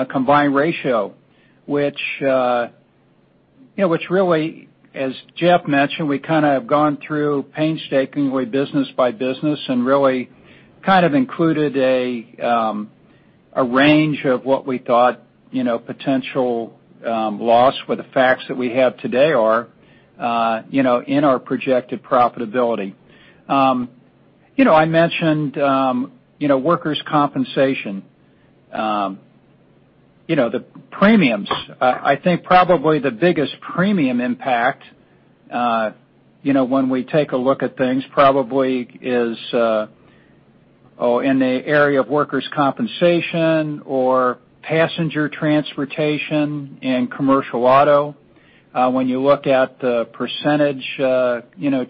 combined ratio, which really, as Jeff mentioned, we have gone through painstakingly business by business and really kind of included a range of what we thought potential loss with the facts that we have today are in our projected profitability. I mentioned workers' compensation. The premiums, I think probably the biggest premium impact, when we take a look at things, probably is in the area of workers' compensation or passenger transportation and commercial auto. When you look at the percentage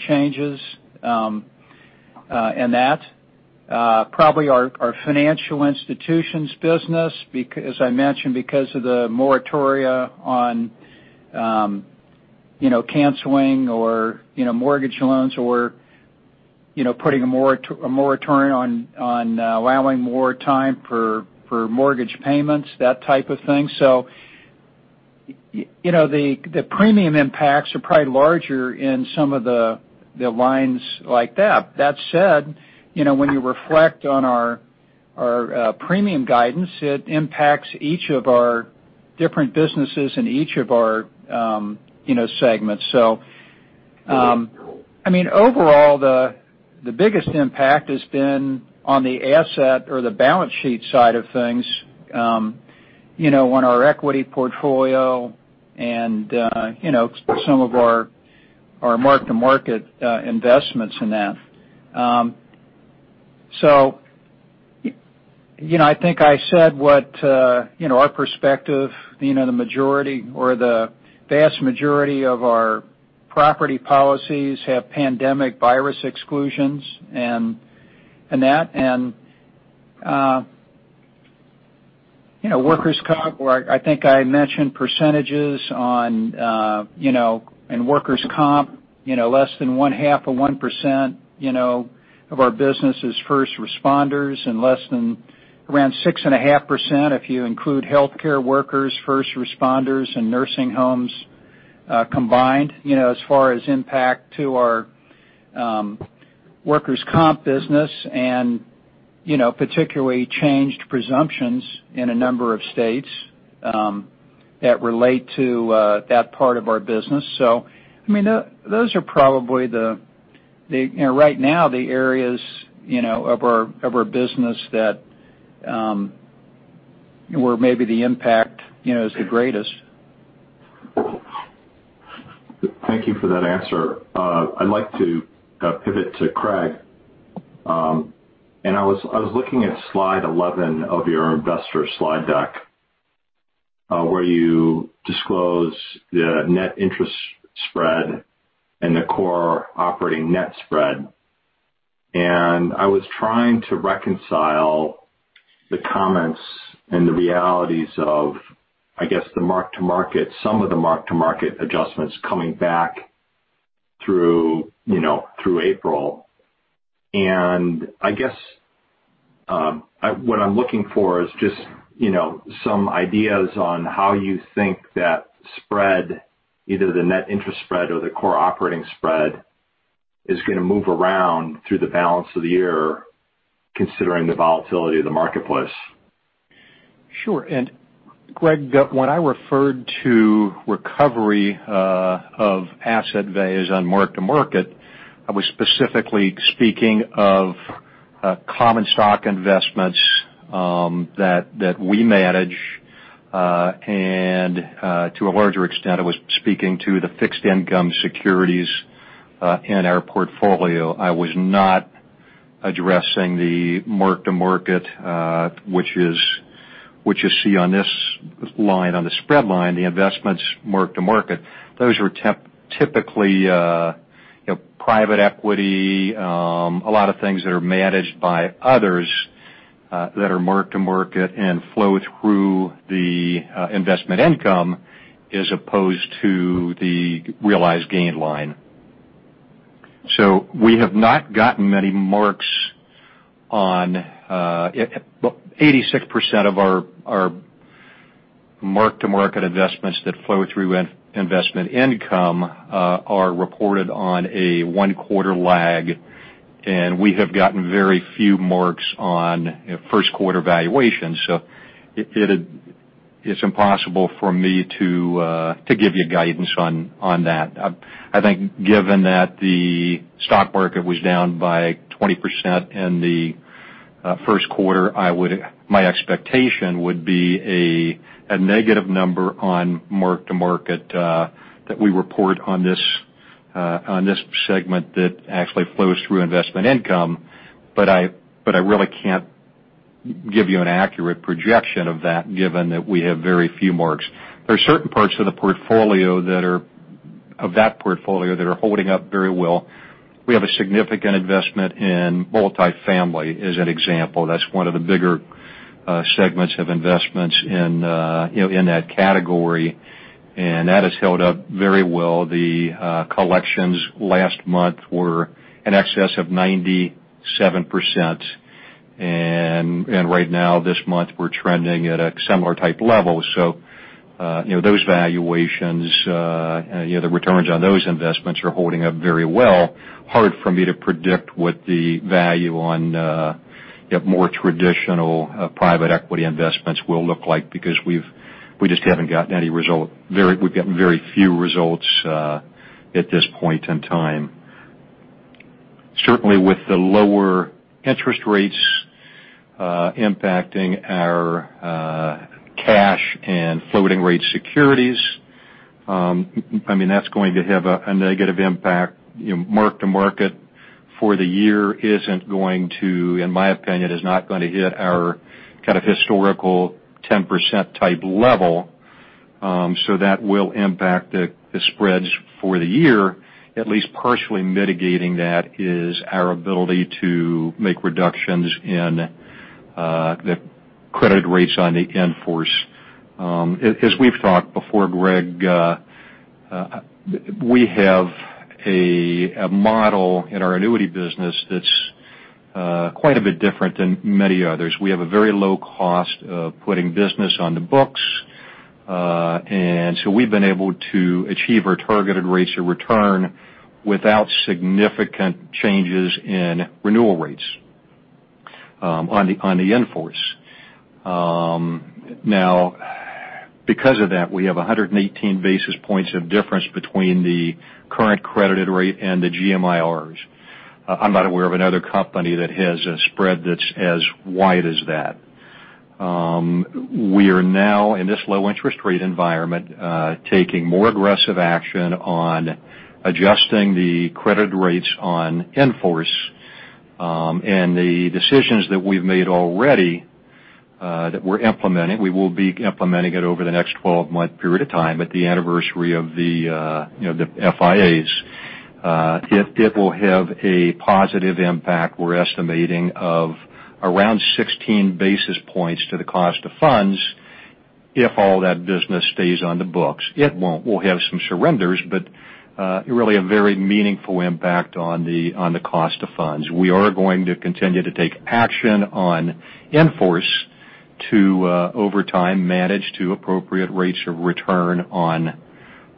changes in that, probably our financial institutions business, as I mentioned, because of the moratoria on canceling or mortgage loans or putting a moratorium on allowing more time for mortgage payments, that type of thing. The premium impacts are probably larger in some of the lines like that. That said, when you reflect on our premium guidance, it impacts each of our different businesses in each of our segments. Overall, the biggest impact has been on the asset or the balance sheet side of things on our equity portfolio and some of our mark-to-market investments in that. The majority or the vast majority of our property policies have pandemic virus exclusions and that. Workers' comp, where I think I mentioned percentages in workers' comp, less than 0.5% of our business is first responders, and less than around 6.5%, if you include healthcare workers, first responders, and nursing homes combined as far as impact to our workers' comp business, and particularly changed presumptions in a number of states that relate to that part of our business. Those are probably, right now, the areas of our business where maybe the impact is the greatest. Thank you for that answer. I'd like to pivot to Craig. I was looking at slide 11 of your investor slide deck, where you disclose the net interest spread and the core operating net spread. I was trying to reconcile the comments and the realities of, I guess, some of the mark-to-market adjustments coming back through April. I guess, what I'm looking for is just some ideas on how you think that spread, either the net interest spread or the core operating spread, is going to move around through the balance of the year, considering the volatility of the marketplace. Sure. Craig, when I referred to recovery of asset values on mark-to-market, I was specifically speaking of common stock investments that we manage. To a larger extent, I was speaking to the fixed income securities in our portfolio. I was not addressing the mark-to-market which you see on this line, on the spread line, the investments mark-to-market. Those are typically private equity, a lot of things that are managed by others that are mark-to-market and flow through the investment income as opposed to the realized gain line. We have not gotten many marks on 86% of our mark-to-market investments that flow through investment income are reported on a one-quarter lag, and we have gotten very few marks on first quarter valuations. It's impossible for me to give you guidance on that. I think given that the stock market was down by 20% in the first quarter, my expectation would be a negative number on mark-to-market that we report on this segment that actually flows through investment income. I really can't give you an accurate projection of that given that we have very few marks. There are certain parts of that portfolio that are holding up very well. We have a significant investment in multifamily, as an example. That's one of the bigger segments of investments in that category, and that has held up very well. The collections last month were in excess of 97%, and right now this month, we're trending at a similar type level. Those valuations, the returns on those investments are holding up very well. Hard for me to predict what the value on more traditional private equity investments will look like because we've gotten very few results at this point in time. Certainly with the lower interest rates impacting our cash and floating rate securities, that's going to have a negative impact. Mark-to-market for the year, in my opinion, is not going to hit our historical 10% type level. That will impact the spreads for the year. At least partially mitigating that is our ability to make reductions in the credit rates on the in-force. As we've talked before, Greg, we have a model in our annuity business that's quite a bit different than many others. We have a very low cost of putting business on the books. We've been able to achieve our targeted rates of return without significant changes in renewal rates on the in-force. Because of that, we have 118 basis points of difference between the current credited rate and the GMIRs. I'm not aware of another company that has a spread that's as wide as that. We are now, in this low interest rate environment, taking more aggressive action on adjusting the credit rates on in-force. The decisions that we've made already, that we're implementing, we will be implementing it over the next 12-month period of time at the anniversary of the FIAs. It will have a positive impact, we're estimating, of around 16 basis points to the cost of funds if all that business stays on the books. It won't. We'll have some surrenders, but really a very meaningful impact on the cost of funds. We are going to continue to take action on in-force to, over time, manage to appropriate rates of return on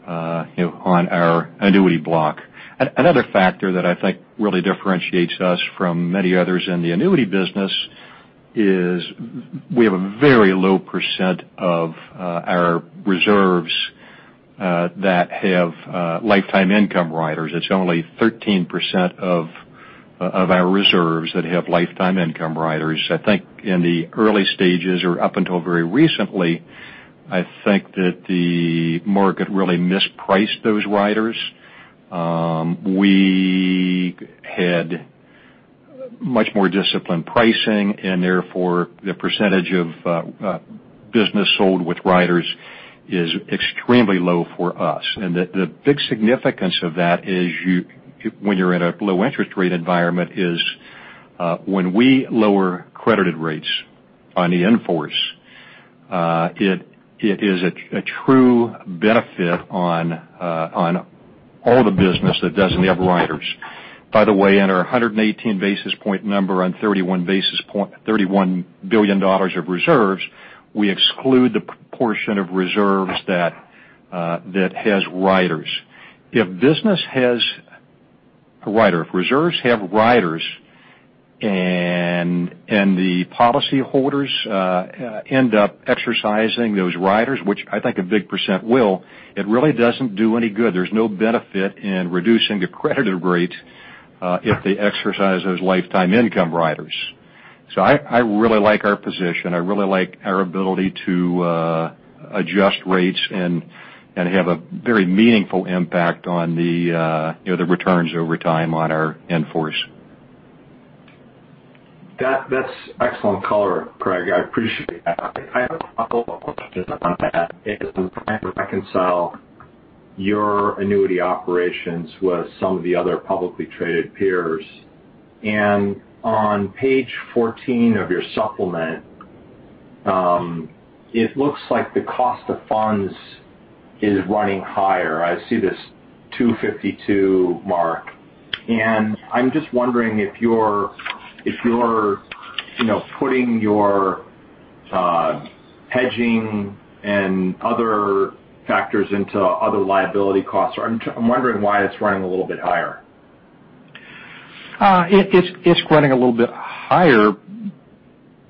our annuity block. Another factor that I think really differentiates us from many others in the annuity business is we have a very low percent of our reserves that have lifetime income riders. It's only 13% of our reserves that have lifetime income riders. I think in the early stages or up until very recently, I think that the market really mispriced those riders. We had much more disciplined pricing, therefore, the percentage of business sold with riders is extremely low for us. The big significance of that is when you're in a low interest rate environment is when we lower credited rates on the in-force, it is a true benefit on all the business that doesn't have riders. By the way, in our 118 basis point number on $31 billion of reserves, we exclude the portion of reserves that has riders. If business has a rider, if reserves have riders, and the policyholders end up exercising those riders, which I think a big percent will, it really doesn't do any good. There's no benefit in reducing the credited rate if they exercise those lifetime income riders. I really like our position. I really like our ability to adjust rates and have a very meaningful impact on the returns over time on our in-force. That's excellent color, Craig. I appreciate that. I have a couple of questions on that as I'm trying to reconcile your annuity operations with some of the other publicly traded peers. On page 14 of your supplement, it looks like the cost of funds is running higher. I see this 252 mark. I'm just wondering if you're putting your hedging and other factors into other liability costs. I'm wondering why it's running a little bit higher. It's running a little bit higher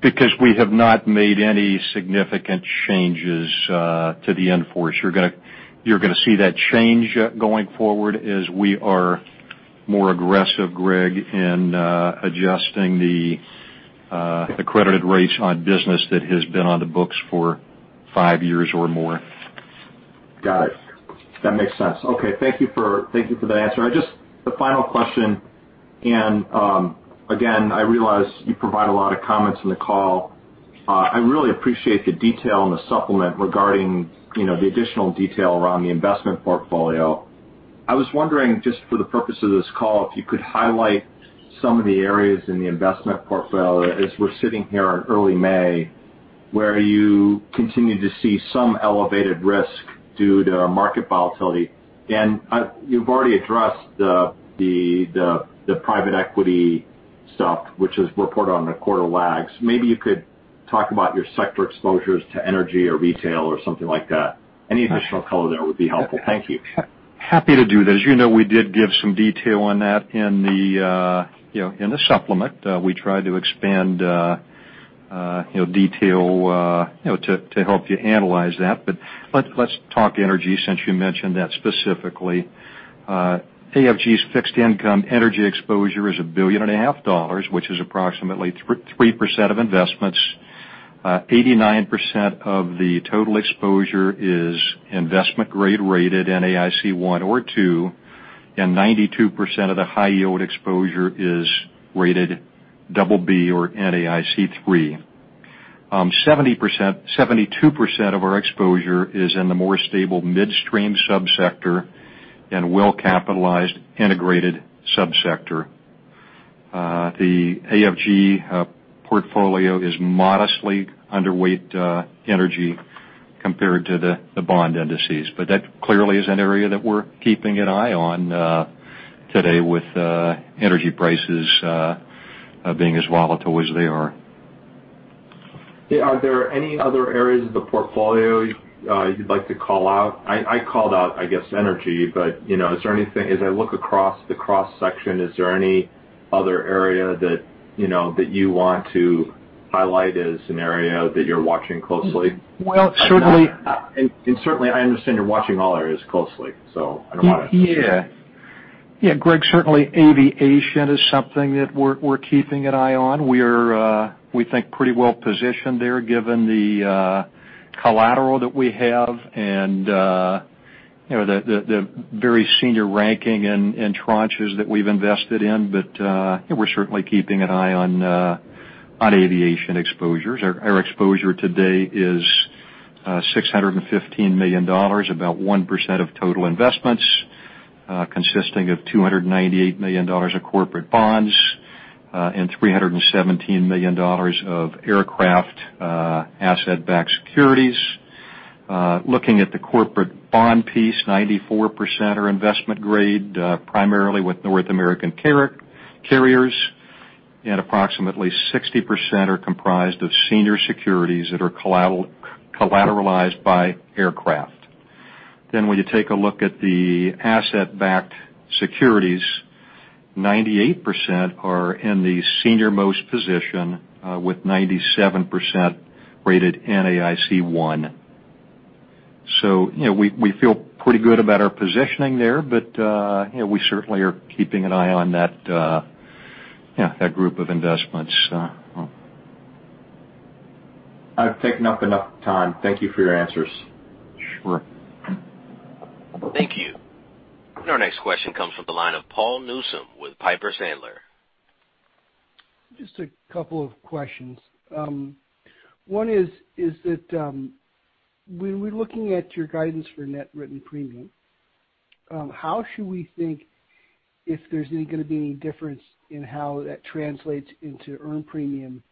because we have not made any significant changes to the in-force. You're going to see that change going forward as we are more aggressive, Greg, in adjusting the credited rates on business that has been on the books for five years or more. Got it. That makes sense. Okay. Thank you for that answer. The final question, again, I realize you provide a lot of comments on the call. I really appreciate the detail in the supplement regarding the additional detail around the investment portfolio. I was wondering, just for the purpose of this call, if you could highlight some of the areas in the investment portfolio as we're sitting here in early May, where you continue to see some elevated risk due to market volatility. You've already addressed the private equity stuff, which is reported on a quarter lag. Maybe you could talk about your sector exposures to energy or retail or something like that. Any additional color there would be helpful. Thank you. Happy to do that. As you know, we did give some detail on that in the supplement. We tried to expand detail to help you analyze that. Let's talk energy, since you mentioned that specifically. AFG's fixed income energy exposure is $1.5 billion, which is approximately 3% of investments. 89% of the total exposure is investment grade rated NAIC 1 or 2, and 92% of the high yield exposure is rated double B or NAIC 3. 72% of our exposure is in the more stable midstream sub-sector and well-capitalized integrated sub-sector. The AFG portfolio is modestly underweight energy compared to the bond indices. That clearly is an area that we're keeping an eye on today with energy prices being as volatile as they are. Yeah. Are there any other areas of the portfolio you'd like to call out? I called out, I guess, energy, as I look across the cross-section, is there any other area that you want to highlight as an area that you're watching closely? Well, certainly. Certainly, I understand you're watching all areas closely, so I don't want to. Greg, certainly aviation is something that we're keeping an eye on. We think pretty well-positioned there given the collateral that we have and the very senior ranking and tranches that we've invested in. We're certainly keeping an eye on aviation exposures. Our exposure today is $615 million, about 1% of total investments, consisting of $298 million of corporate bonds, and $317 million of aircraft asset-backed securities. Looking at the corporate bond piece, 94% are investment grade, primarily with North American Carriers, and approximately 60% are comprised of senior securities that are collateralized by aircraft. When you take a look at the asset-backed securities, 98% are in the senior-most position, with 97% rated NAIC 1. We feel pretty good about our positioning there. We certainly are keeping an eye on that group of investments. I've taken up enough time. Thank you for your answers. Sure. Thank you. Our next question comes from the line of Paul Newsome with Piper Sandler. Just a couple of questions. One is that when we're looking at your guidance for net written premium, how should we think if there's going to be any difference in how that translates into earned premium,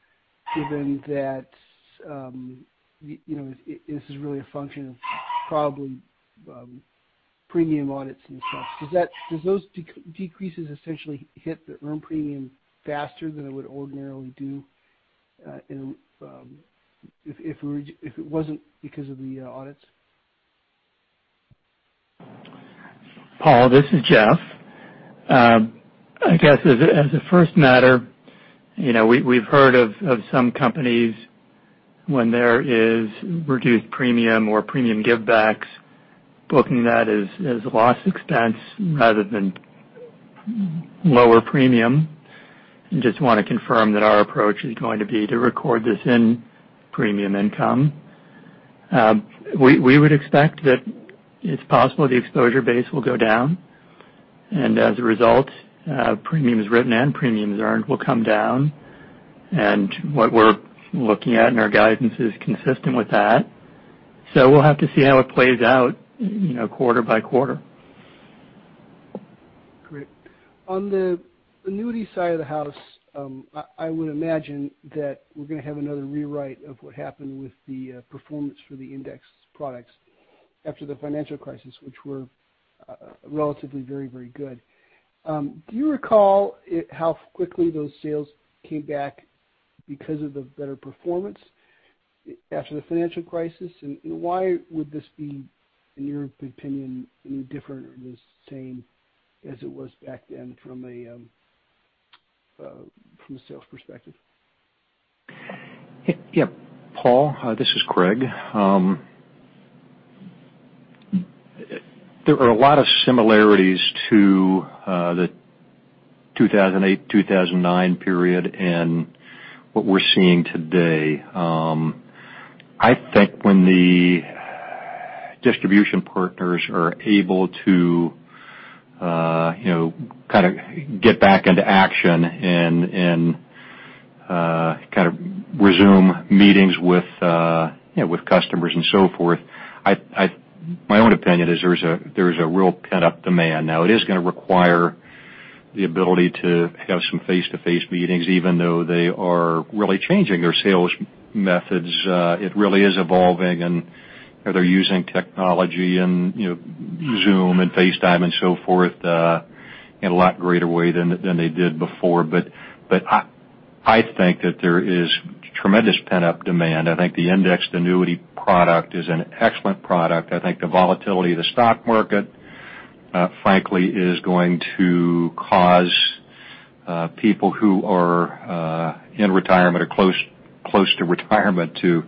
given that this is really a function of probably premium audits and such? Do those decreases essentially hit the earned premium faster than it would ordinarily do if it wasn't because of the audits? Paul, this is Jeff. I guess as a first matter, we've heard of some companies when there is reduced premium or premium give backs, booking that as a loss expense rather than lower premium. Just want to confirm that our approach is going to be to record this in premium income. We would expect that it's possible the exposure base will go down, and as a result, premiums written and premiums earned will come down. What we're looking at in our guidance is consistent with that. We'll have to see how it plays out quarter by quarter. Great. On the annuity side of the house, I would imagine that we're going to have another rewrite of what happened with the performance for the index products after the financial crisis, which were relatively very, very good. Do you recall how quickly those sales came back because of the better performance after the financial crisis, and why would this be, in your opinion, any different or the same as it was back then from a sales perspective? Yeah. Paul, this is Craig. There are a lot of similarities to the 2008-2009 period and what we're seeing today. I think when the distribution partners are able to get back into action and resume meetings with customers and so forth, my own opinion is there's a real pent-up demand. Now it is going to require the ability to have some face-to-face meetings, even though they are really changing their sales methods. It really is evolving and they're using technology and Zoom and FaceTime and so forth in a lot greater way than they did before. I think that there is tremendous pent-up demand. I think the indexed annuity product is an excellent product. I think the volatility of the stock market Frankly, is going to cause people who are in retirement or close to retirement to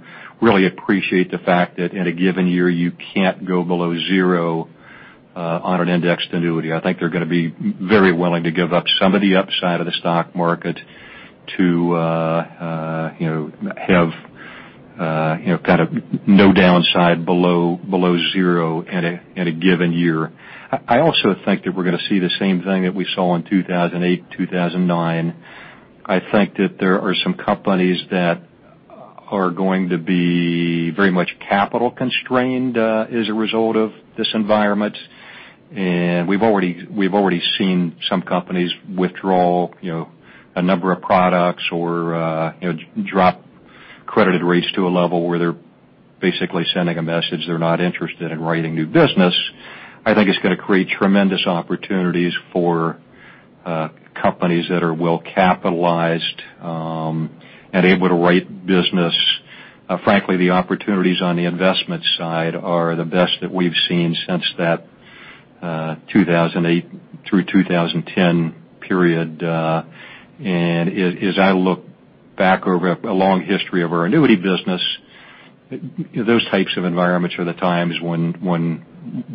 really appreciate the fact that in a given year you can't go below zero on an indexed annuity. I think they're going to be very willing to give up some of the upside of the stock market to have no downside below zero in a given year. I also think that we're going to see the same thing that we saw in 2008-2009. I think that there are some companies that are going to be very much capital constrained as a result of this environment. We've already seen some companies withdraw a number of products or drop credited rates to a level where they're basically sending a message they're not interested in writing new business. I think it's going to create tremendous opportunities for companies that are well capitalized and able to write business. Frankly, the opportunities on the investment side are the best that we've seen since that 2008 through 2010 period. As I look back over a long history of our annuity business, those types of environments are the times when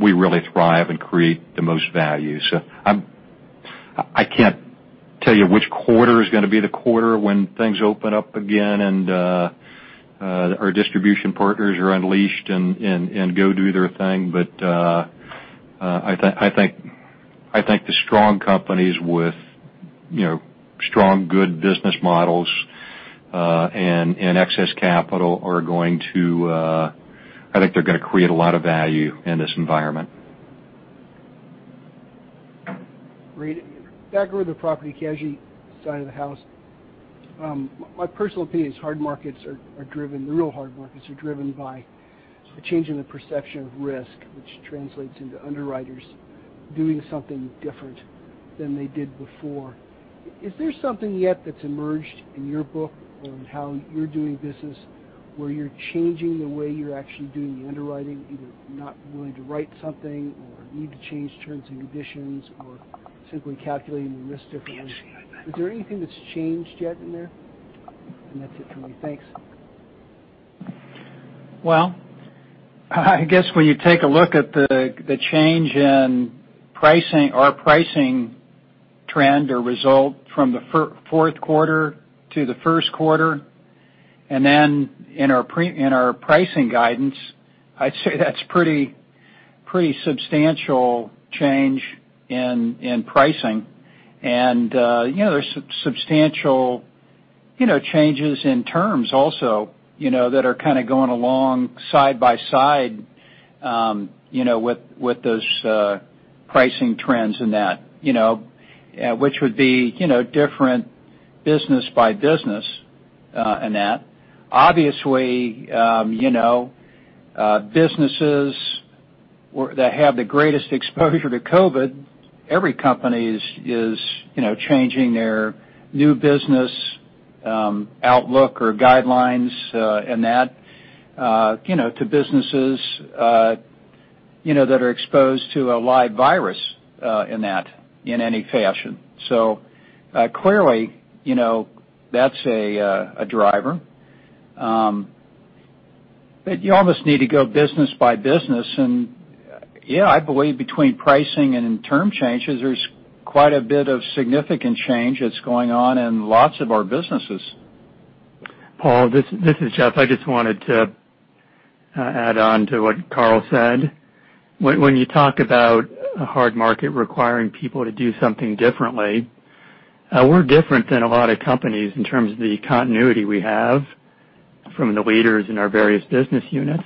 we really thrive and create the most value. I can't tell you which quarter is going to be the quarter when things open up again and our distribution partners are unleashed and go do their thing. I think the strong companies with strong, good business models and excess capital are going to create a lot of value in this environment. Great. Back over to the property and casualty side of the house. My personal opinion is hard markets are driven, the real hard markets are driven by a change in the perception of risk, which translates into underwriters doing something different than they did before. Is there something yet that's emerged in your book on how you're doing business where you're changing the way you're actually doing the underwriting, either not willing to write something or need to change terms and conditions or simply calculating the risk differently? Is there anything that's changed yet in there? That's it for me. Thanks. I guess when you take a look at the change in our pricing trend or result from the fourth quarter to the first quarter, then in our pricing guidance, I'd say that's pretty substantial change in pricing. There's substantial changes in terms also that are kind of going along side by side with those pricing trends in that, which would be different business by business in that. Obviously, businesses that have the greatest exposure to COVID-19, every company is changing their new business outlook or guidelines and that to businesses that are exposed to a live virus in that in any fashion. Clearly, that's a driver. You almost need to go business by business. Yeah, I believe between pricing and term changes, there's quite a bit of significant change that's going on in lots of our businesses. Paul, this is Jeff. I just wanted to add on to what Carl said. When you talk about a hard market requiring people to do something differently, we're different than a lot of companies in terms of the continuity we have from the leaders in our various business units.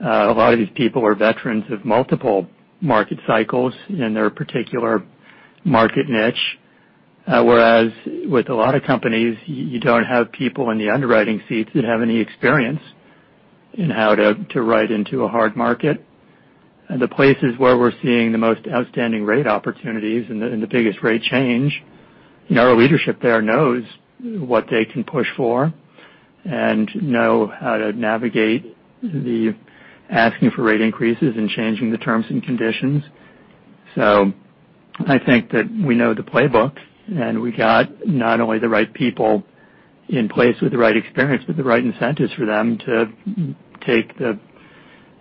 A lot of these people are veterans of multiple market cycles in their particular market niche. Whereas with a lot of companies, you don't have people in the underwriting seats that have any experience in how to write into a hard market. The places where we're seeing the most outstanding rate opportunities and the biggest rate change, our leadership there knows what they can push for and know how to navigate the asking for rate increases and changing the terms and conditions. I think that we know the playbook, and we got not only the right people in place with the right experience, but the right incentives for them to take the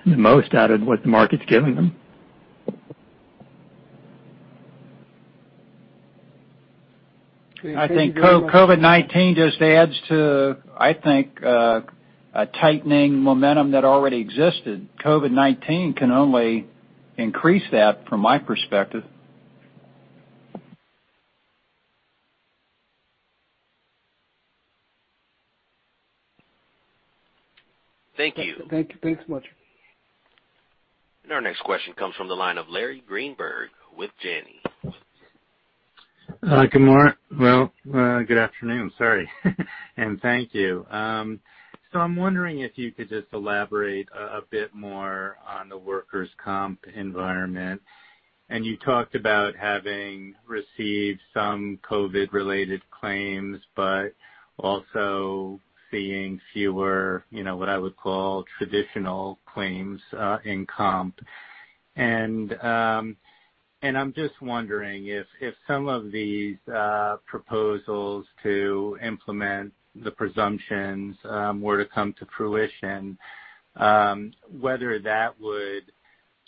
most out of what the market's giving them. I think COVID-19 just adds to a tightening momentum that already existed. COVID-19 can only increase that from my perspective. Thank you. Thank you so much. Our next question comes from the line of Larry Greenberg with Janney. Good morning. Well, good afternoon. Sorry, thank you. I'm wondering if you could just elaborate a bit more on the workers' comp environment. You talked about having received some COVID related claims, but also seeing fewer what I would call traditional claims in comp. I'm just wondering if some of these proposals to implement the presumptions were to come to fruition, whether that would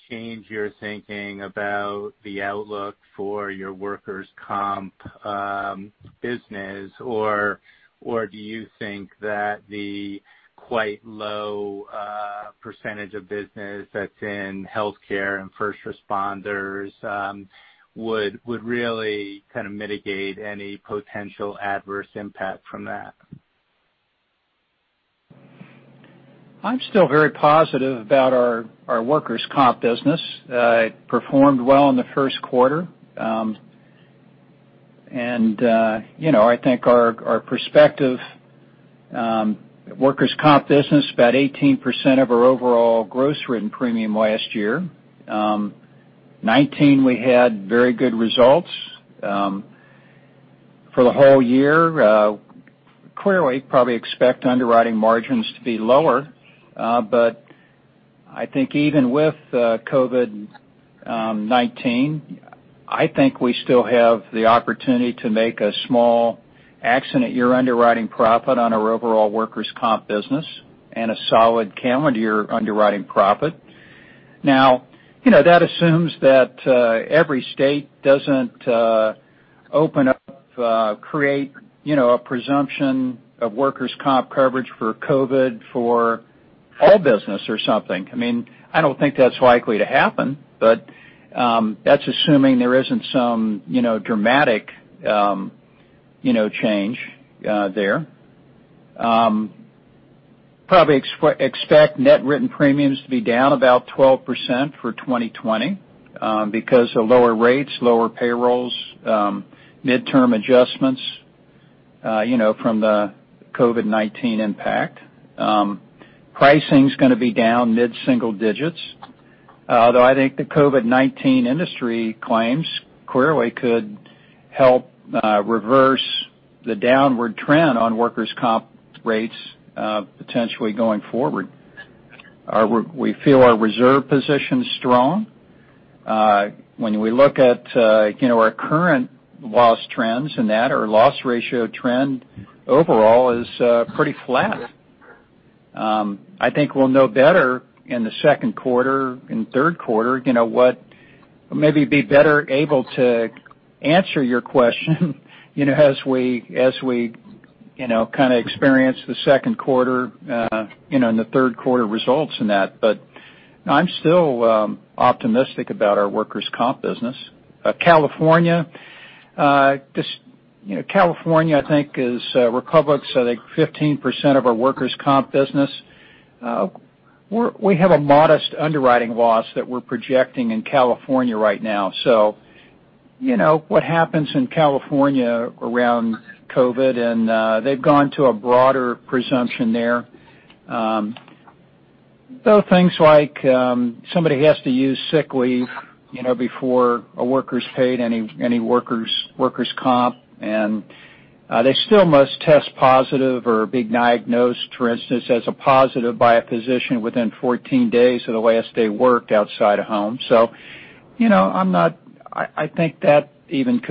change your thinking about the outlook for your workers' comp business or do you think that the quite low percentage of business that's in healthcare and first responders would really kind of mitigate any potential adverse impact from that? I'm still very positive about our workers' comp business. It performed well in the first quarter. I think our prospective workers' comp business, about 18% of our overall gross written premium last year. 2019, we had very good results. For the whole year, clearly probably expect underwriting margins to be lower. I think even with COVID-19, I think we still have the opportunity to make a small accident year underwriting profit on our overall workers' comp business and a solid calendar year underwriting profit. That assumes that every state doesn't open up, create a presumption of workers' comp coverage for COVID-19 for all business or something. I don't think that's likely to happen, but that's assuming there isn't some dramatic change there. We probably expect net written premiums to be down about 12% for 2020 because of lower rates, lower payrolls, midterm adjustments from the COVID-19 impact. Pricing's going to be down mid-single digits. Although I think the COVID-19 industry claims clearly could help reverse the downward trend on workers' comp rates potentially going forward. We feel our reserve position's strong. When we look at our current loss trends and that, our loss ratio trend overall is pretty flat. I think we'll know better in the second quarter, in third quarter, maybe be better able to answer your question as we kind of experience the second quarter and the third quarter results in that. I'm still optimistic about our workers' comp business. California, I think is Republic's, I think, 15% of our workers' comp business. We have a modest underwriting loss that we're projecting in California right now. What happens in California around COVID-19, and they've gone to a broader presumption there. Things like somebody has to use sick leave before a worker's paid any workers' comp, and they still must test positive or be diagnosed, for instance, as a positive by a physician within 14 days of the last day worked outside of home. I think that even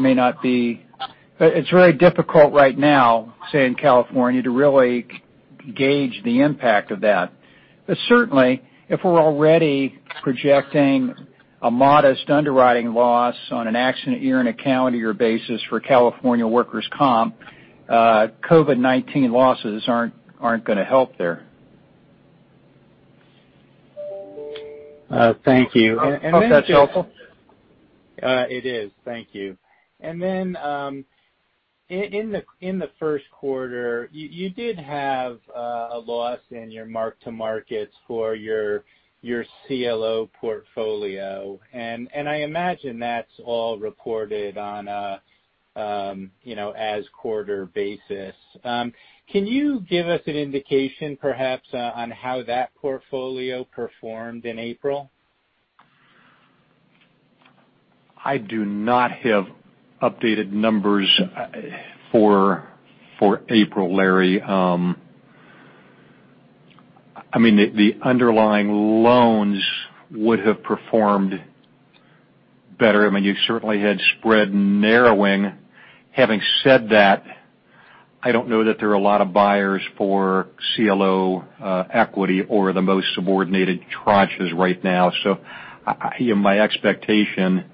may not be. It's really difficult right now, say, in California, to really gauge the impact of that. Certainly, if we're already projecting a modest underwriting loss on an accident year and a calendar year basis for California workers' comp, COVID-19 losses aren't going to help there. Thank you. Hope that's helpful. It is. Thank you. In the first quarter, you did have a loss in your mark-to-markets for your CLO portfolio, and I imagine that's all reported on an as-quarter basis. Can you give us an indication perhaps on how that portfolio performed in April? I do not have updated numbers for April, Larry. The underlying loans would have performed better. You certainly had spread narrowing. Having said that, I do not know that there are a lot of buyers for CLO equity or the most subordinated tranches right now. My expectation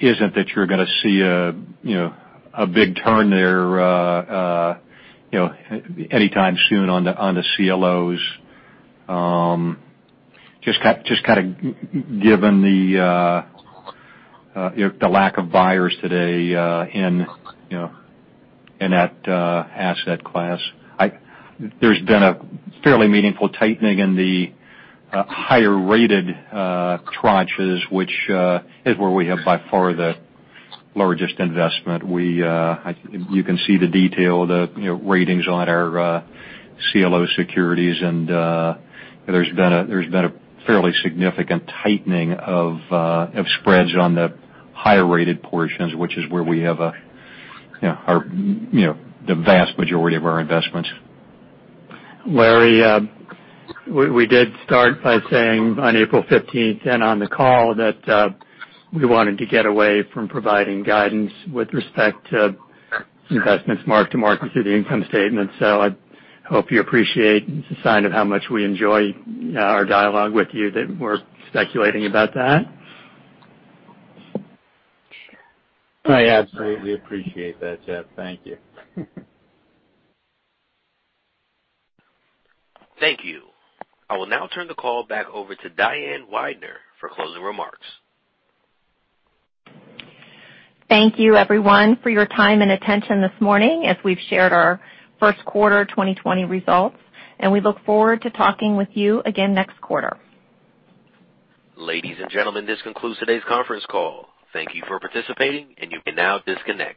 is not that you are going to see a big turn there anytime soon on the CLOs, just kind of given the lack of buyers today in that asset class. There has been a fairly meaningful tightening in the higher-rated tranches, which is where we have by far the largest investment. You can see the detail, the ratings on our CLO securities, there has been a fairly significant tightening of spreads on the higher-rated portions, which is where we have the vast majority of our investments. Larry, we did start by saying on April 15th and on the call that we wanted to get away from providing guidance with respect to investments mark-to-market through the income statement. I hope you appreciate the sign of how much we enjoy our dialogue with you, that we are speculating about that. I absolutely appreciate that, Jeff. Thank you. Thank you. I will now turn the call back over to Diane Widner for closing remarks. Thank you everyone for your time and attention this morning as we've shared our first quarter 2020 results. We look forward to talking with you again next quarter. Ladies and gentlemen, this concludes today's conference call. Thank you for participating. You can now disconnect.